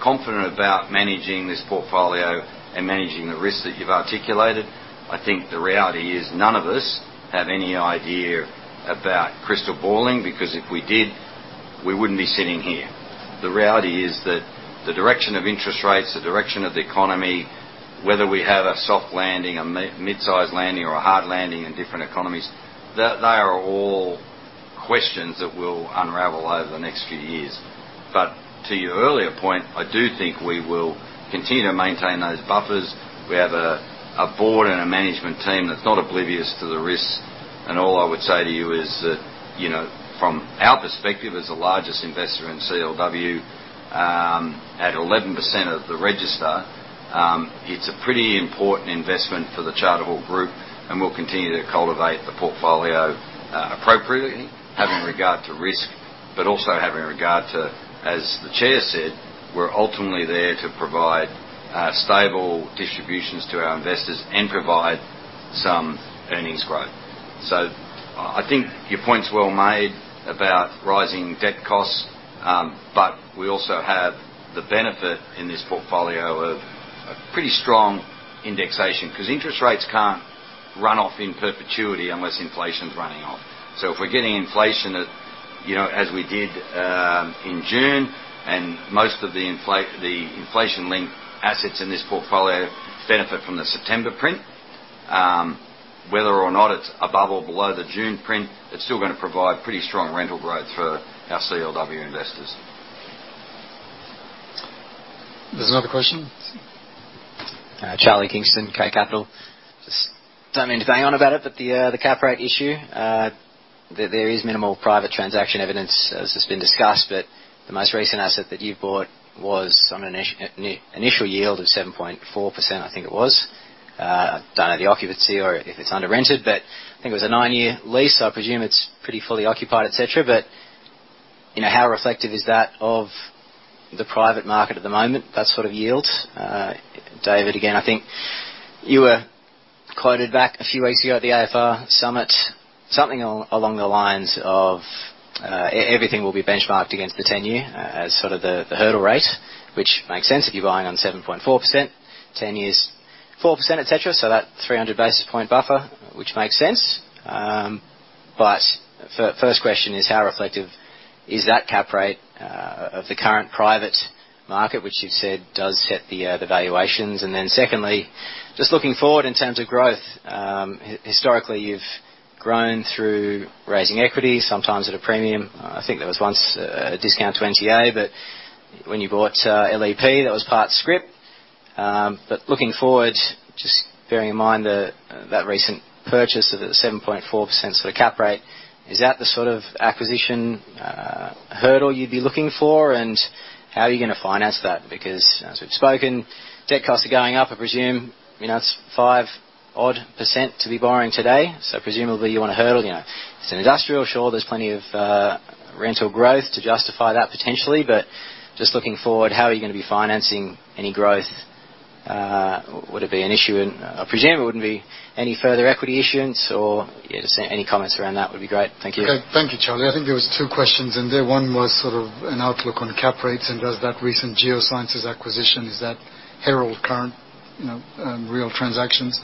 confident about managing this portfolio and managing the risks that you've articulated. I think the reality is none of us have any idea about crystal balling, because if we did, we wouldn't be sitting here. The reality is that the direction of interest rates, the direction of the economy, whether we have a soft landing, a mid-sized landing, or a hard landing in different economies, they are all questions that will unravel over the next few years. To your earlier point, I do think we will continue to maintain those buffers. We have a board and a management team that's not oblivious to the risks. All I would say to you is that, you know, from our perspective as the largest investor in CLW, at 11% of the register, it's a pretty important investment for the Charter Hall Group, and we'll continue to cultivate the portfolio appropriately, having regard to risk, but also having regard to, as the chair said, we're ultimately there to provide stable distributions to our investors and provide some earnings growth. I think your point's well made about rising debt costs, but we also have the benefit in this portfolio of a pretty strong indexation, because interest rates can't run off in perpetuity unless inflation's running off. If we're getting inflation at, you know, as we did in June, and most of the inflation-linked assets in this portfolio benefit from the September print, whether or not it's above or below the June print, it's still gonna provide pretty strong rental growth for our CLW investors. There's another question. Charlie Kingston, K Capital. Just don't mean to bang on about it, but the cap rate issue, there is minimal private transaction evidence as has been discussed, but the most recent asset that you've bought was on an initial yield of 7.4%, I think it was. Don't know the occupancy or if it's under rented, but I think it was a nine-year lease, so I presume it's pretty fully occupied, et cetera. You know, how reflective is that of the private market at the moment, that sort of yield? David, again, I think you were quoted back a few weeks ago at the AFR summit, something along the lines of, everything will be benchmarked against the ten-year, as sort of the hurdle rate, which makes sense if you're buying on 7.4%, 10-year, 4%, et cetera. That 300 basis point buffer, which makes sense. First question is how reflective is that cap rate, of the current private market, which you've said does set the valuations? And then secondly, just looking forward in terms of growth, historically, you've grown through raising equity, sometimes at a premium. I think there was once a discount to NTA, but when you bought ALE, that was part scrip. Looking forward, just bearing in mind that recent purchase at 7.4% sort of cap rate, is that the sort of acquisition hurdle you'd be looking for, and how are you gonna finance that? Because as we've spoken, debt costs are going up. I presume, you know, it's 5% odd to be borrowing today. Presumably, you want to hurdle, you know. It's an industrial, sure, there's plenty of rental growth to justify that potentially. Just looking forward, how are you gonna be financing any growth? I presume it wouldn't be any further equity issuance or, yeah, just any comments around that would be great. Thank you. Okay. Thank you, Charlie. I think there were two questions in there. One was sort of an outlook on cap rates and does that recent Geoscience Australia acquisition herald current, you know, real transactions.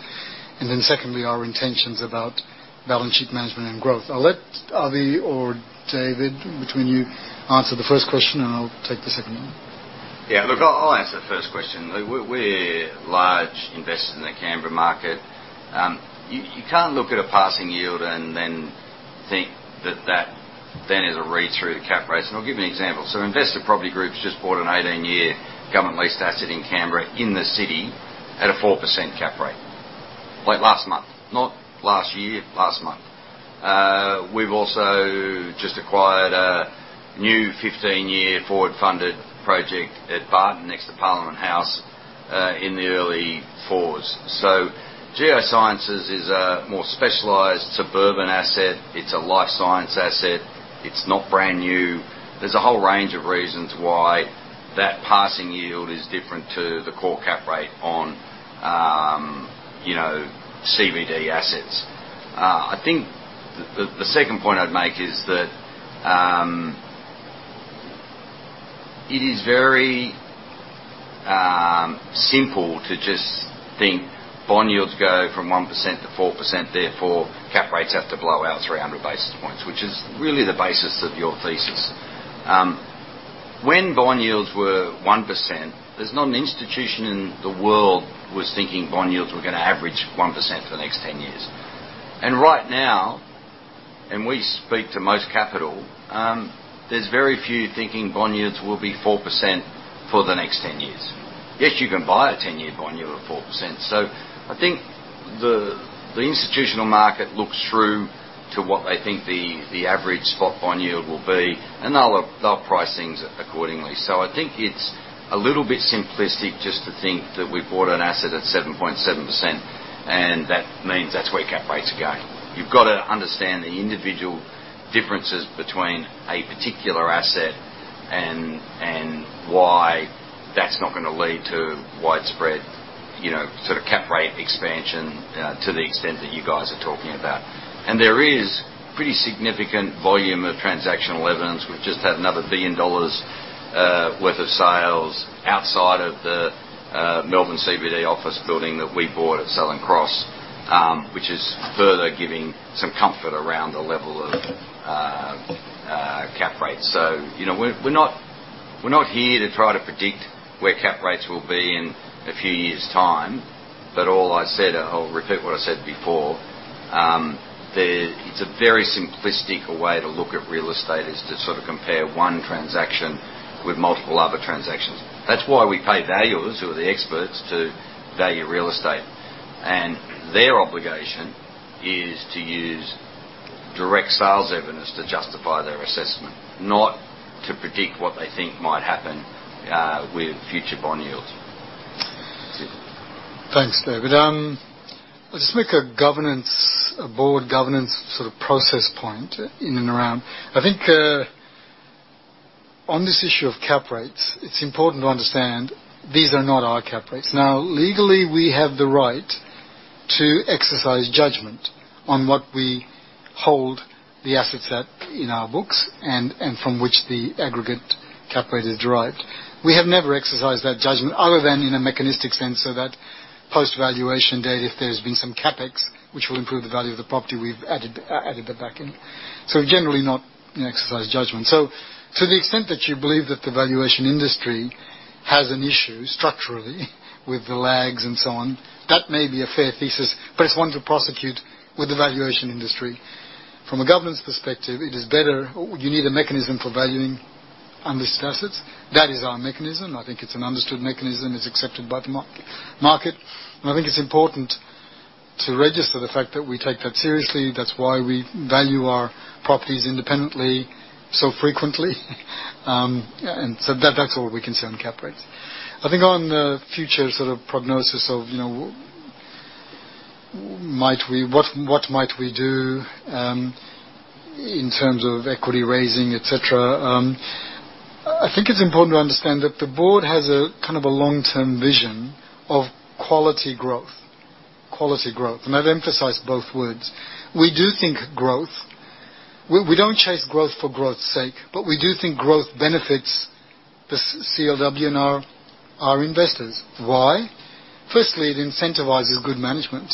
Then secondly, our intentions about balance sheet management and growth. I'll let Avi or David, between you, answer the first question, and I'll take the second one. Yeah, look, I'll answer the first question. We're large investors in the Canberra market. You can't look at a passing yield and then think that then is a read through to cap rates. I'll give you an example. Investa Property Group just bought an 18-year government leased asset in Canberra in the city at a 4% cap rate. Like last month, not last year, last month. We've also just acquired a new 15-year forward-funded project at Barton next to Parliament House, in the early fours. Geoscience Australia is a more specialized suburban asset. It's a life science asset. It's not brand new. There's a whole range of reasons why that passing yield is different to the core cap rate on, you know, CBD assets. I think the second point I'd make is that it is very simple to just think bond yields go from 1% to 4%, therefore cap rates have to blow out 300 basis points, which is really the basis of your thesis. When bond yields were 1%, there's not an institution in the world was thinking bond yields were gonna average 1% for the next 10 years. Right now, as we speak to most capital, there's very few thinking bond yields will be 4% for the next 10 years. Yes, you can buy a 10-year bond yield at 4%. I think the institutional market looks through to what they think the average spot bond yield will be, and they'll price things accordingly. I think it's a little bit simplistic just to think that we bought an asset at 7.7%, and that means that's where cap rates are going. You've got to understand the individual differences between a particular asset and why that's not gonna lead to widespread, you know, sort of cap rate expansion to the extent that you guys are talking about. There is pretty significant volume of transactional evidence. We've just had another 1 billion dollars worth of sales outside of the Melbourne CBD office building that we bought at Southern Cross, which is further giving some comfort around the level of cap rates. You know, we're not here to try to predict where cap rates will be in a few years' time. All I said, I'll repeat what I said before, it's a very simplistic way to look at real estate is to sort of compare one transaction with multiple other transactions. That's why we pay valuers who are the experts to value real estate. Their obligation is to use direct sales evidence to justify their assessment, not to predict what they think might happen with future bond yields. That's it. Thanks, David. I'll just make a board governance sort of process point in and around. I think on this issue of cap rates, it's important to understand these are not our cap rates. Now, legally, we have the right to exercise judgment on what we hold the assets at in our books and from which the aggregate cap rate is derived. We have never exercised that judgment other than in a mechanistic sense, so that post-valuation date, if there's been some CapEx which will improve the value of the property we've added that back in. So generally not exercise judgment. So to the extent that you believe that the valuation industry has an issue structurally with the lags and so on, that may be a fair thesis, but it's one to prosecute with the valuation industry. From a governance perspective, you need a mechanism for valuing unlisted assets. That is our mechanism. I think it's an understood mechanism, it's accepted by the mark-to-market, and I think it's important to register the fact that we take that seriously. That's why we value our properties independently so frequently. That's all we can say on cap rates. I think on the future sort of prognosis of, you know, what might we do in terms of equity raising, et cetera. I think it's important to understand that the board has a kind of a long-term vision of quality growth. Quality growth, and I've emphasized both words. We do think growth. We don't chase growth for growth's sake, but we do think growth benefits the CLW and our investors. Why? Firstly, it incentivizes good management.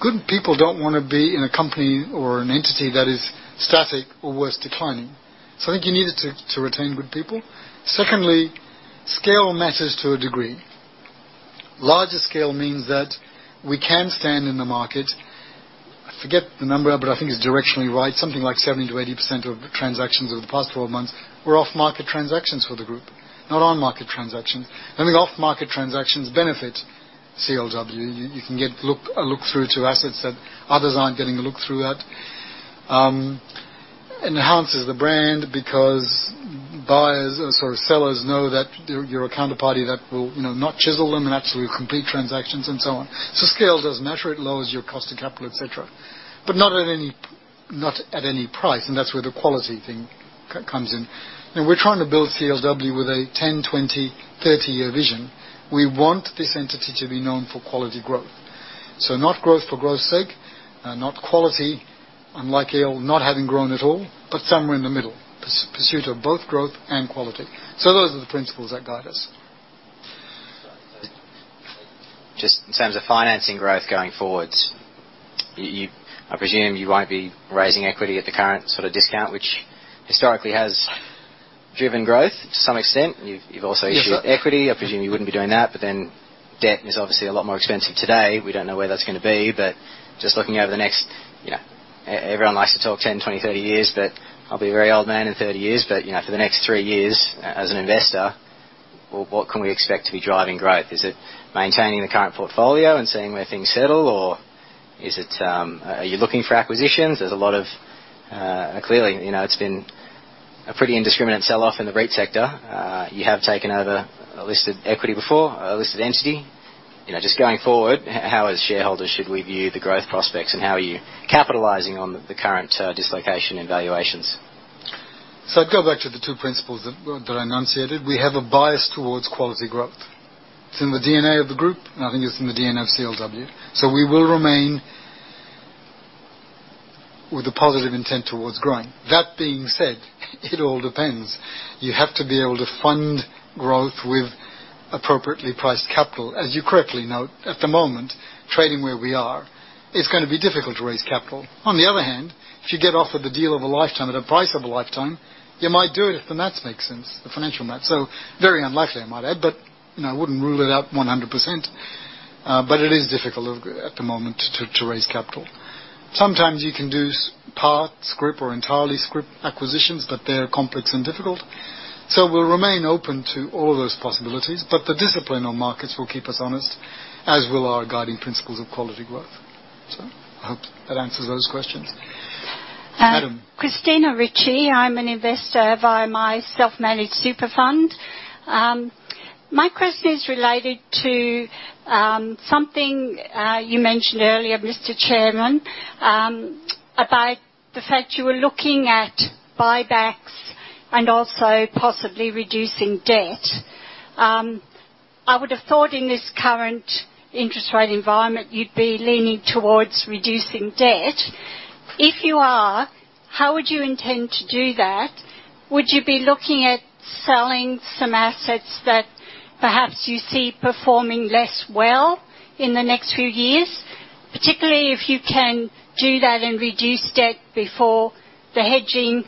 Good people don't wanna be in a company or an entity that is static or worse, declining. I think you need it to retain good people. Secondly, scale matters to a degree. Larger scale means that we can stand in the market. I forget the number, but I think it's directionally right. Something like 70%-80% of transactions over the past 12 months were off-market transactions for the group, not on-market transaction. I think off-market transactions benefit CLW. You can get a look through to assets that others aren't getting a look through at. Enhances the brand because buyers or sellers know that you're a counterparty that will, you know, not chisel them and actually complete transactions and so on. Scale does matter. It lowers your cost of capital, et cetera, but not at any price, and that's where the quality thing comes in. Now we're trying to build CLW with a 10, 20, 30-year vision. We want this entity to be known for quality growth. Not growth for growth's sake, not quality, unlike ALE, not having grown at all, but somewhere in the middle. Pursuit of both growth and quality. Those are the principles that guide us. Just in terms of financing growth going forward, I presume you won't be raising equity at the current sort of discount, which historically has driven growth to some extent. You've also issued equity. Yes. I presume you wouldn't be doing that, but then debt is obviously a lot more expensive today. We don't know where that's gonna be. Just looking over the next, you know, everyone likes to talk 10, 20, 30 years, but I'll be a very old man in 30 years. You know, for the next three years as an investor, what can we expect to be driving growth? Is it maintaining the current portfolio and seeing where things settle? Or is it, are you looking for acquisitions? There's a lot of. Clearly, you know, it's been a pretty indiscriminate sell-off in the REIT sector. You have taken over a listed equity before, a listed entity. You know, just going forward, how, as shareholders, should we view the growth prospects? How are you capitalizing on the current, dislocation in valuations? I'd go back to the two principles that, well, that I enunciated. We have a bias towards quality growth. It's in the DNA of the group, and I think it's in the DNA of CLW. We will remain with a positive intent towards growing. That being said, it all depends. You have to be able to fund growth with appropriately priced capital. As you correctly note, at the moment, trading where we are, it's gonna be difficult to raise capital. On the other hand, if you get offered the deal of a lifetime at a price of a lifetime, you might do it if the math makes sense, the financial math. Very unlikely, I might add, but, you know, I wouldn't rule it out one hundred percent. It is difficult at the moment to raise capital. Sometimes you can do part scrip or entirely scrip acquisitions, but they are complex and difficult. We'll remain open to all those possibilities, but the discipline on markets will keep us honest, as will our guiding principles of quality growth. I hope that answers those questions. Adam. Christina Ritchie. I'm an investor via my self-managed super fund. My question is related to something you mentioned earlier, Mr. Chairman, about the fact you were looking at buybacks and also possibly reducing debt. I would have thought in this current interest rate environment, you'd be leaning towards reducing debt. If you are, how would you intend to do that? Would you be looking at selling some assets that perhaps you see performing less well in the next few years, particularly if you can do that and reduce debt before the hedging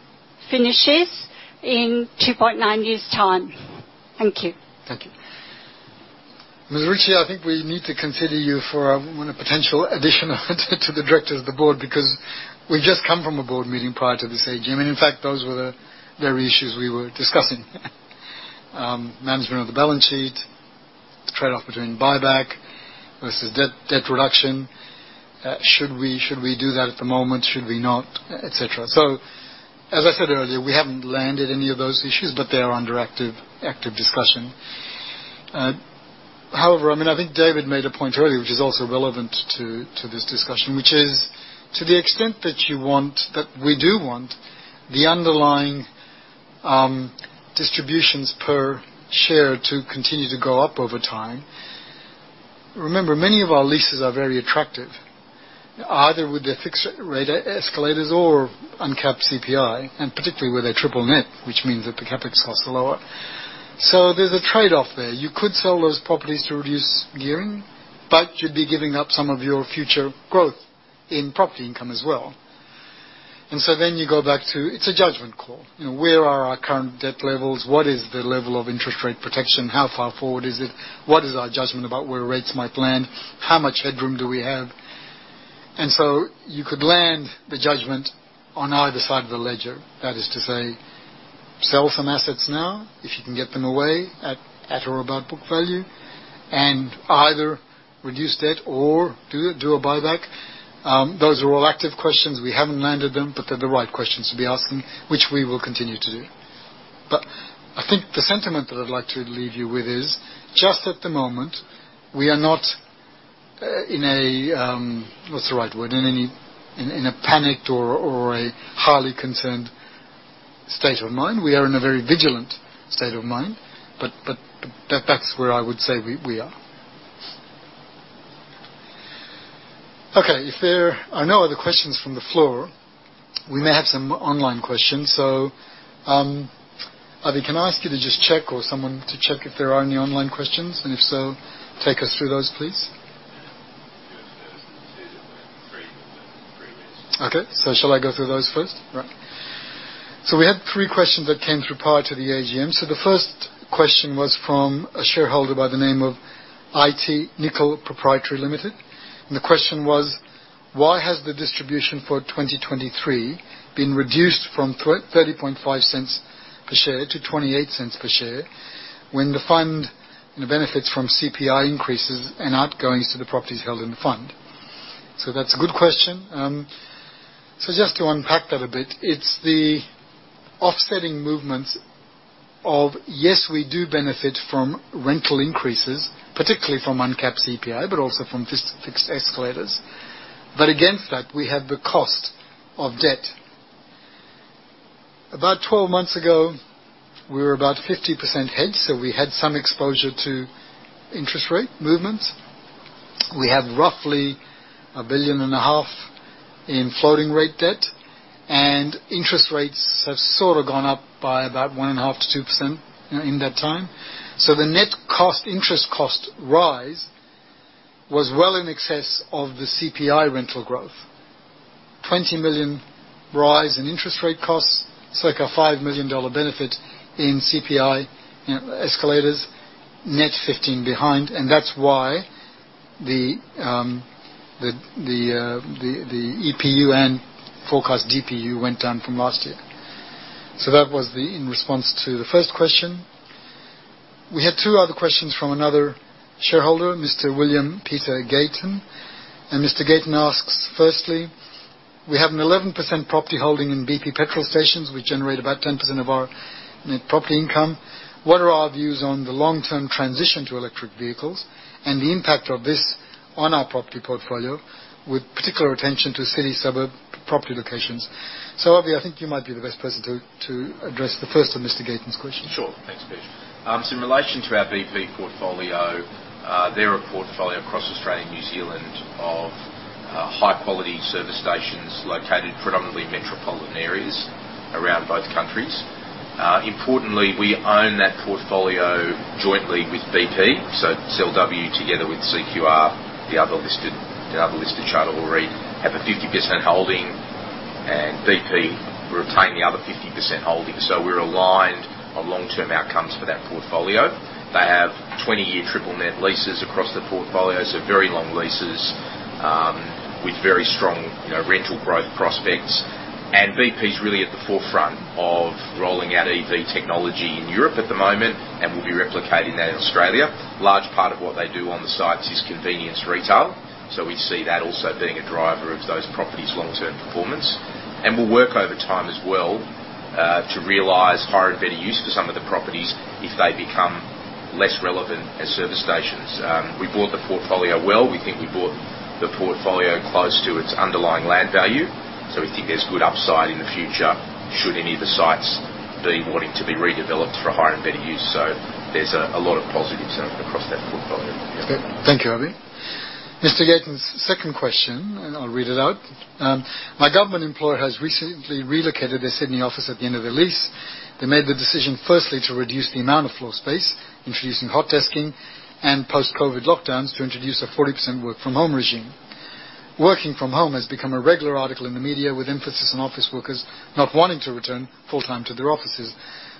finishes in 2.9 years' time? Thank you. Thank you. Ms. Ritchie, I think we need to consider you for a potential addition to the directors of the board because we've just come from a board meeting prior to this AGM, and in fact, those were the very issues we were discussing. Management of the balance sheet, the trade-off between buyback versus debt reduction. Should we do that at the moment? Should we not, et cetera. As I said earlier, we haven't landed any of those issues, but they are under active discussion. However, I mean, I think David made a point earlier which is also relevant to this discussion, which is to the extent that you want, that we do want the underlying distributions per share to continue to go up over time. Remember, many of our leases are very attractive, either with their fixed rate escalators or uncapped CPI, and particularly where they triple net, which means that the CapEx costs are lower. There's a trade-off there. You could sell those properties to reduce gearing, but you'd be giving up some of your future growth in property income as well. It's a judgment call. You know, where are our current debt levels? What is the level of interest rate protection? How far forward is it? What is our judgment about where rates might land? How much headroom do we have? You could land the judgment on either side of the ledger. That is to say, sell some assets now if you can get them away at or about book value and either reduce debt or do a buyback. Those are all active questions. We haven't landed them, but they're the right questions to be asking, which we will continue to do. I think the sentiment that I'd like to leave you with is just at the moment, we are not, what's the right word? In any in a panicked or a highly concerned state of mind. We are in a very vigilant state of mind, but that's where I would say we are. Okay. If there are no other questions from the floor, we may have some online questions. Avi, can I ask you to just check or someone to check if there are any online questions? If so, take us through those, please. Yes, there's two that were raised previously. Okay. Shall I go through those first? Right. We had three questions that came through prior to the AGM. The first question was from a shareholder by the name of IT Nickel Proprietary Limited. The question was: Why has the distribution for 2023 been reduced from 0.305 per share to 0.28 per share when the fund benefits from CPI increases and outgoings to the properties held in the fund? That's a good question. Just to unpack that a bit, it's the offsetting movements of, yes, we do benefit from rental increases, particularly from uncapped CPI, but also from fixed escalators. Against that, we have the cost of debt. About 12 months ago, we were about 50% hedged, so we had some exposure to interest rate movements. We have roughly 1.5 billion in floating rate debt. Interest rates have sort of gone up by about 1.5%-2% in that time. The net cost, interest cost rise was well in excess of the CPI rental growth. 20 million rise in interest rate costs, it's like a 5 million dollar benefit in CPI, you know, escalators. Net 15 behind, and that's why the EPU and forecast DPU went down from last year. That was in response to the first question. We had two other questions from another shareholder, Mr. William Peter Gayton. Mr. Gayton asks, firstly, we have an 11% property holding in BP petrol stations, which generate about 10% of our net property income. What are our views on the long-term transition to electric vehicles and the impact of this on our property portfolio, with particular attention to city suburb property locations? Avi, I think you might be the best person to address the first of Mr. Gayton's question. Sure. Thanks, Peeyush. In relation to our BP portfolio, there's a portfolio across Australia and New Zealand of high-quality service stations located predominantly in metropolitan areas around both countries. Importantly, we own that portfolio jointly with BP. CLW, together with CQR, the other listed Charter Hall Retail REIT have a 50% holding, and BP retain the other 50% holding. We're aligned on long-term outcomes for that portfolio. They have 20-year triple net leases across the portfolio, so very long leases with very strong, you know, rental growth prospects. BP is really at the forefront of rolling out EV technology in Europe at the moment, and we'll be replicating that in Australia. A large part of what they do on the sites is convenience retail, so we see that also being a driver of those properties' long-term performance. We'll work over time as well to realize higher and better use for some of the properties if they become less relevant as service stations. We bought the portfolio well. We think we bought the portfolio close to its underlying land value, so we think there's good upside in the future should any of the sites be wanting to be redeveloped for higher and better use. There's a lot of positives across that portfolio. Thank you, Avi. Mr. Gayton's second question, and I'll read it out. My government employer has recently relocated their Sydney office at the end of their lease. They made the decision, firstly, to reduce the amount of floor space, introducing hot desking and post-COVID lockdowns to introduce a 40% work from home regime. Working from home has become a regular article in the media, with emphasis on office workers not wanting to return full-time to their offices.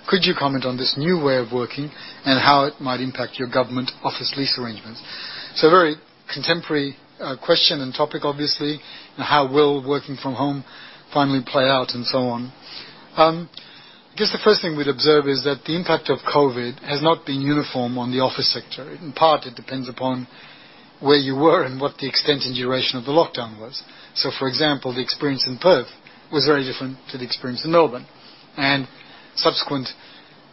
Could you comment on this new way of working and how it might impact your government office lease arrangements? A very contemporary question and topic, obviously, on how will working from home finally play out and so on. I guess the first thing we'd observe is that the impact of COVID has not been uniform on the office sector. In part, it depends upon where you were and what the extent and duration of the lockdown was. For example, the experience in Perth was very different to the experience in Melbourne. Subsequent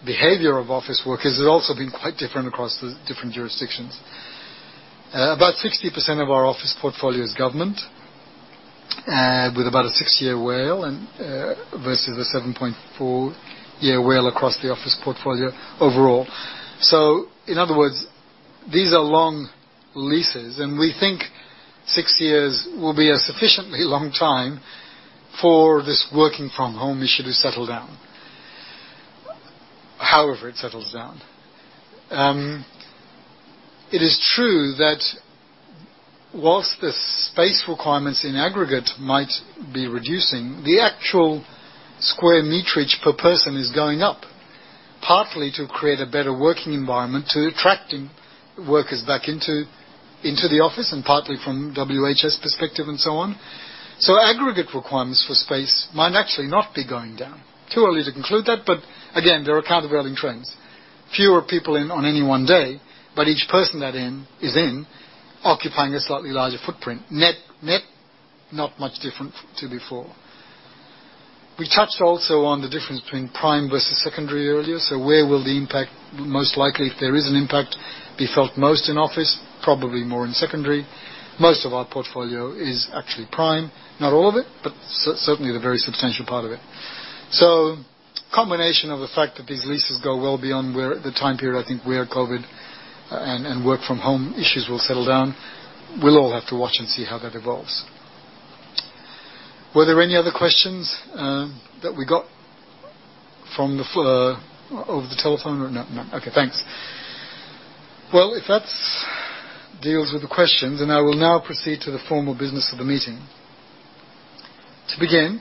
behavior of office workers has also been quite different across the different jurisdictions. About 60% of our office portfolio is government, with about a 6-year WALE and versus a 7.4-year WALE across the office portfolio overall. In other words, these are long leases, and we think six years will be a sufficiently long time for this working from home issue to settle down. However it settles down. It is true that while the space requirements in aggregate might be reducing, the actual square meterage per person is going up, partly to create a better working environment to attracting workers back into the office and partly from WHS perspective and so on. Aggregate requirements for space might actually not be going down. Too early to conclude that, but again, there are countervailing trends. Fewer people in on any one day, but each person that in is in occupying a slightly larger footprint. Net, not much different to before. We also touched on the difference between prime versus secondary earlier. Where will the impact most likely, if there is an impact, be felt most in office? Probably more in secondary. Most of our portfolio is actually prime. Not all of it, but certainly the very substantial part of it. Combination of the fact that these leases go well beyond where the time period I think where COVID and work from home issues will settle down, we'll all have to watch and see how that evolves. Were there any other questions that we got from the phone over the telephone? No. Okay, thanks. Well, if that deals with the questions, then I will now proceed to the formal business of the meeting. To begin,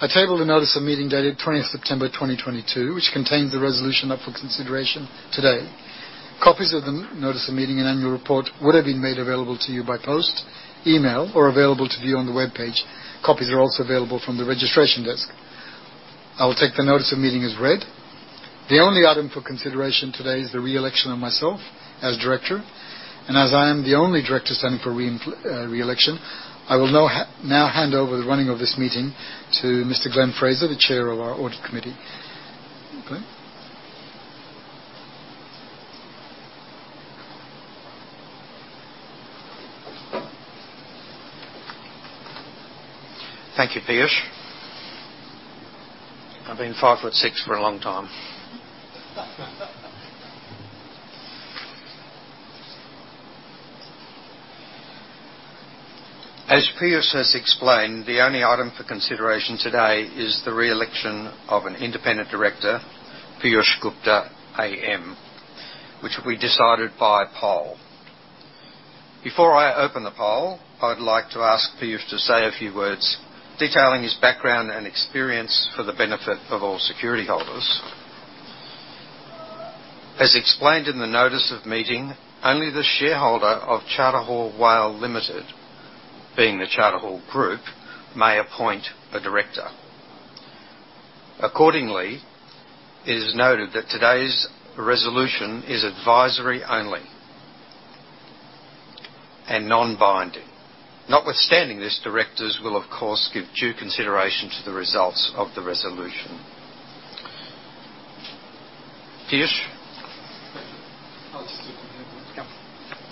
I table the notice of meeting dated 20th September 2022, which contains the resolution up for consideration today. Copies of the notice of meeting and annual report would have been made available to you by post, email or available to view on the webpage. Copies are also available from the registration desk. I will take the notice of meeting as read. The only item for consideration today is the re-election of myself as director. As I am the only director standing for re-election, I will now hand over the running of this meeting to Mr. Glenn Fraser, the chair of our audit committee. Glenn. Thank you, Peeyush. I've been five foot six for a long time. Peeyush has explained, the only item for consideration today is the reelection of an independent director, Peeyush Gupta AM, which will be decided by poll. Before I open the poll, I'd like to ask Peeyush to say a few words detailing his background and experience for the benefit of all security holders. As explained in the notice of meeting, only the shareholder of Charter Hall WALE Limited, being the Charter Hall Group, may appoint a director. Accordingly, it is noted that today's resolution is advisory only and non-binding. Notwithstanding this, directors will of course give due consideration to the results of the resolution. Peeyush?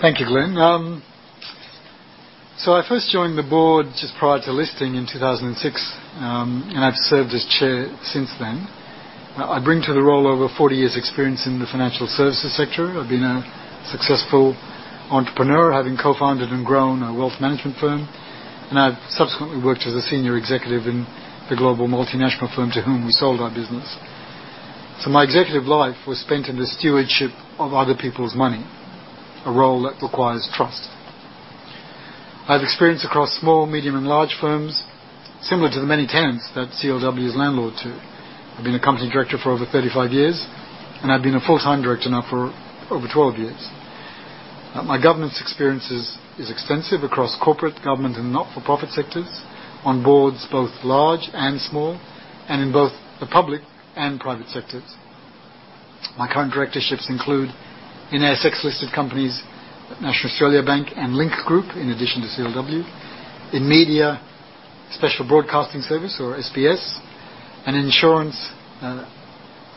Thank you, Glenn. I first joined the board just prior to listing in 2006, and I've served as chair since then. I bring to the role over 40 years' experience in the financial services sector. I've been a successful entrepreneur, having co-founded and grown a wealth management firm, and I've subsequently worked as a senior executive in the global multinational firm to whom we sold our business. My executive life was spent in the stewardship of other people's money, a role that requires trust. I have experience across small, medium, and large firms, similar to the many tenants that CLW is landlord to. I've been a company director for over 35 years, and I've been a full-time director now for over 12 years. My governance experience is extensive across corporate, government, and not-for-profit sectors, on boards both large and small, and in both the public and private sectors. My current directorships include in ASX-listed companies, National Australia Bank and Link Group, in addition to CLW. In media, Special Broadcasting Service or SBS. In insurance,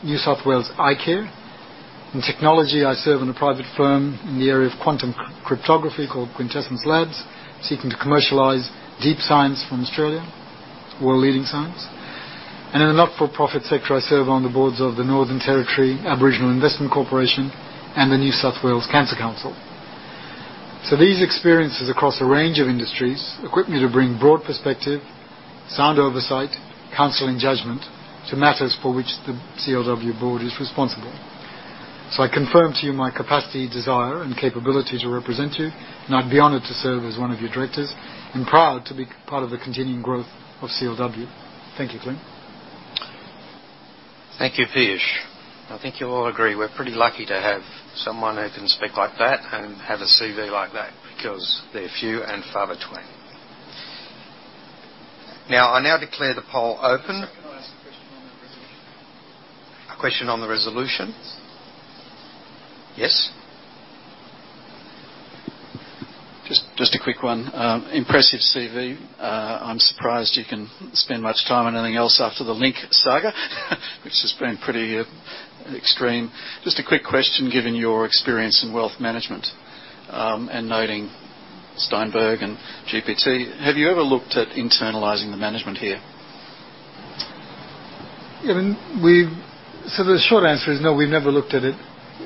New South Wales icare. In technology, I serve on a private firm in the area of quantum cryptography called QuintessenceLabs, seeking to commercialize deep science from Australia, world-leading science. In a not-for-profit sector, I serve on the boards of the Northern Territory Aboriginal Investment Corporation and Cancer Council NSW. These experiences across a range of industries equip me to bring broad perspective, sound oversight, counseling judgment to matters for which the CLW board is responsible. I confirm to you my capacity, desire, and capability to represent you, and I'd be honored to serve as one of your directors and proud to be part of the continuing growth of CLW. Thank you, Glenn. Thank you, Peeyush. I think you all agree, we're pretty lucky to have someone who can speak like that and have a CV like that because they're few and far between. Now, I declare the poll open. Can I ask a question on the resolution? A question on the resolution? Yes. Just a quick one. Impressive CV. I'm surprised you can spend much time on anything else after the Link saga, which has been pretty extreme. Just a quick question, given your experience in wealth management, and noting Steinberg and GPT, have you ever looked at internalizing the management here? The short answer is no, we've never looked at it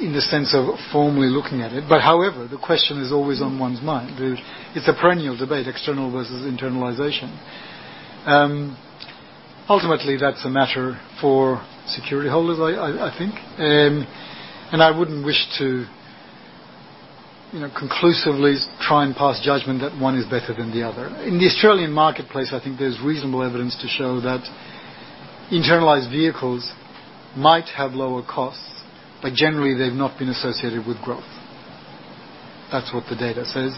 in the sense of formally looking at it. However, the question is always on one's mind. It's a perennial debate, external versus internalization. Ultimately, that's a matter for security holders, I think. I wouldn't wish to, you know, conclusively try and pass judgment that one is better than the other. In the Australian marketplace, I think there's reasonable evidence to show that internalized vehicles might have lower costs, but generally, they've not been associated with growth. That's what the data says.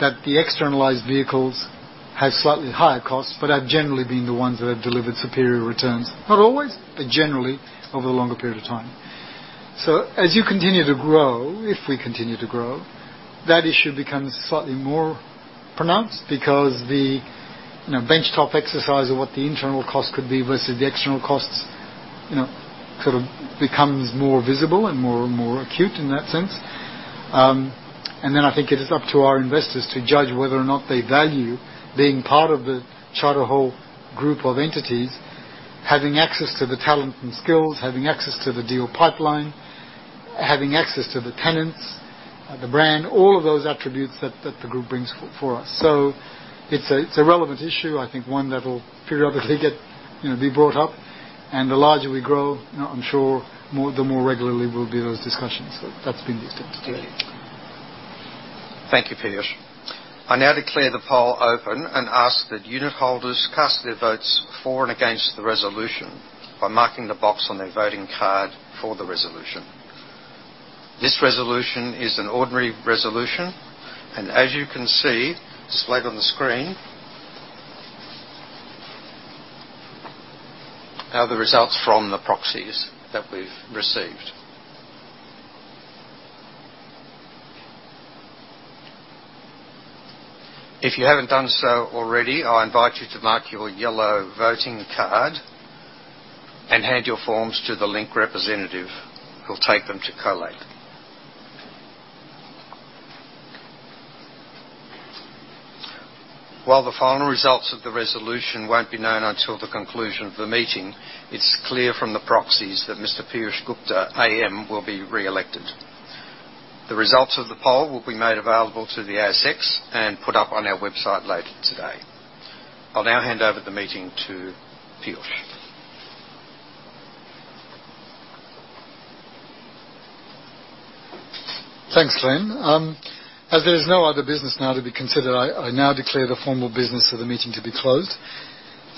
That the externalized vehicles have slightly higher costs, but have generally been the ones that have delivered superior returns. Not always, but generally over a longer period of time. As you continue to grow, if we continue to grow, that issue becomes slightly more pronounced because the, you know, benchmark exercise of what the internal cost could be versus the external costs, you know, sort of becomes more visible and more and more acute in that sense. I think it is up to our investors to judge whether or not they value being part of the Charter Hall Group of entities, having access to the talent and skills, having access to the deal pipeline, having access to the tenants, the brand, all of those attributes that the group brings for us. It's a relevant issue. I think one that'll periodically get, you know, be brought up. The larger we grow, you know, I'm sure the more regularly will be those discussions. That's been the extent. Thank you. Thank you, Peeyush. I now declare the poll open and ask that unitholders cast their votes for and against the resolution by marking the box on their voting card for the resolution. This resolution is an ordinary resolution, and as you can see displayed on the screen, are the results from the proxies that we've received. If you haven't done so already, I invite you to mark your yellow voting card and hand your forms to the Link representative, who'll take them to collate. While the final results of the resolution won't be known until the conclusion of the meeting, it's clear from the proxies that Mr. Peeyush Gupta AM will be reelected. The results of the poll will be made available to the ASX and put up on our website later today. I'll now hand over the meeting to Peeyush. Thanks, Glenn. As there is no other business now to be considered, I now declare the formal business of the meeting to be closed.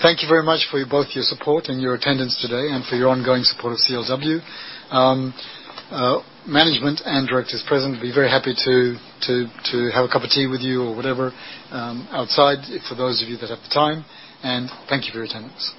Thank you very much for both your support and your attendance today and for your ongoing support of CLW. Management and directors present will be very happy to have a cup of tea with you or whatever, outside for those of you that have the time. Thank you for your attendance.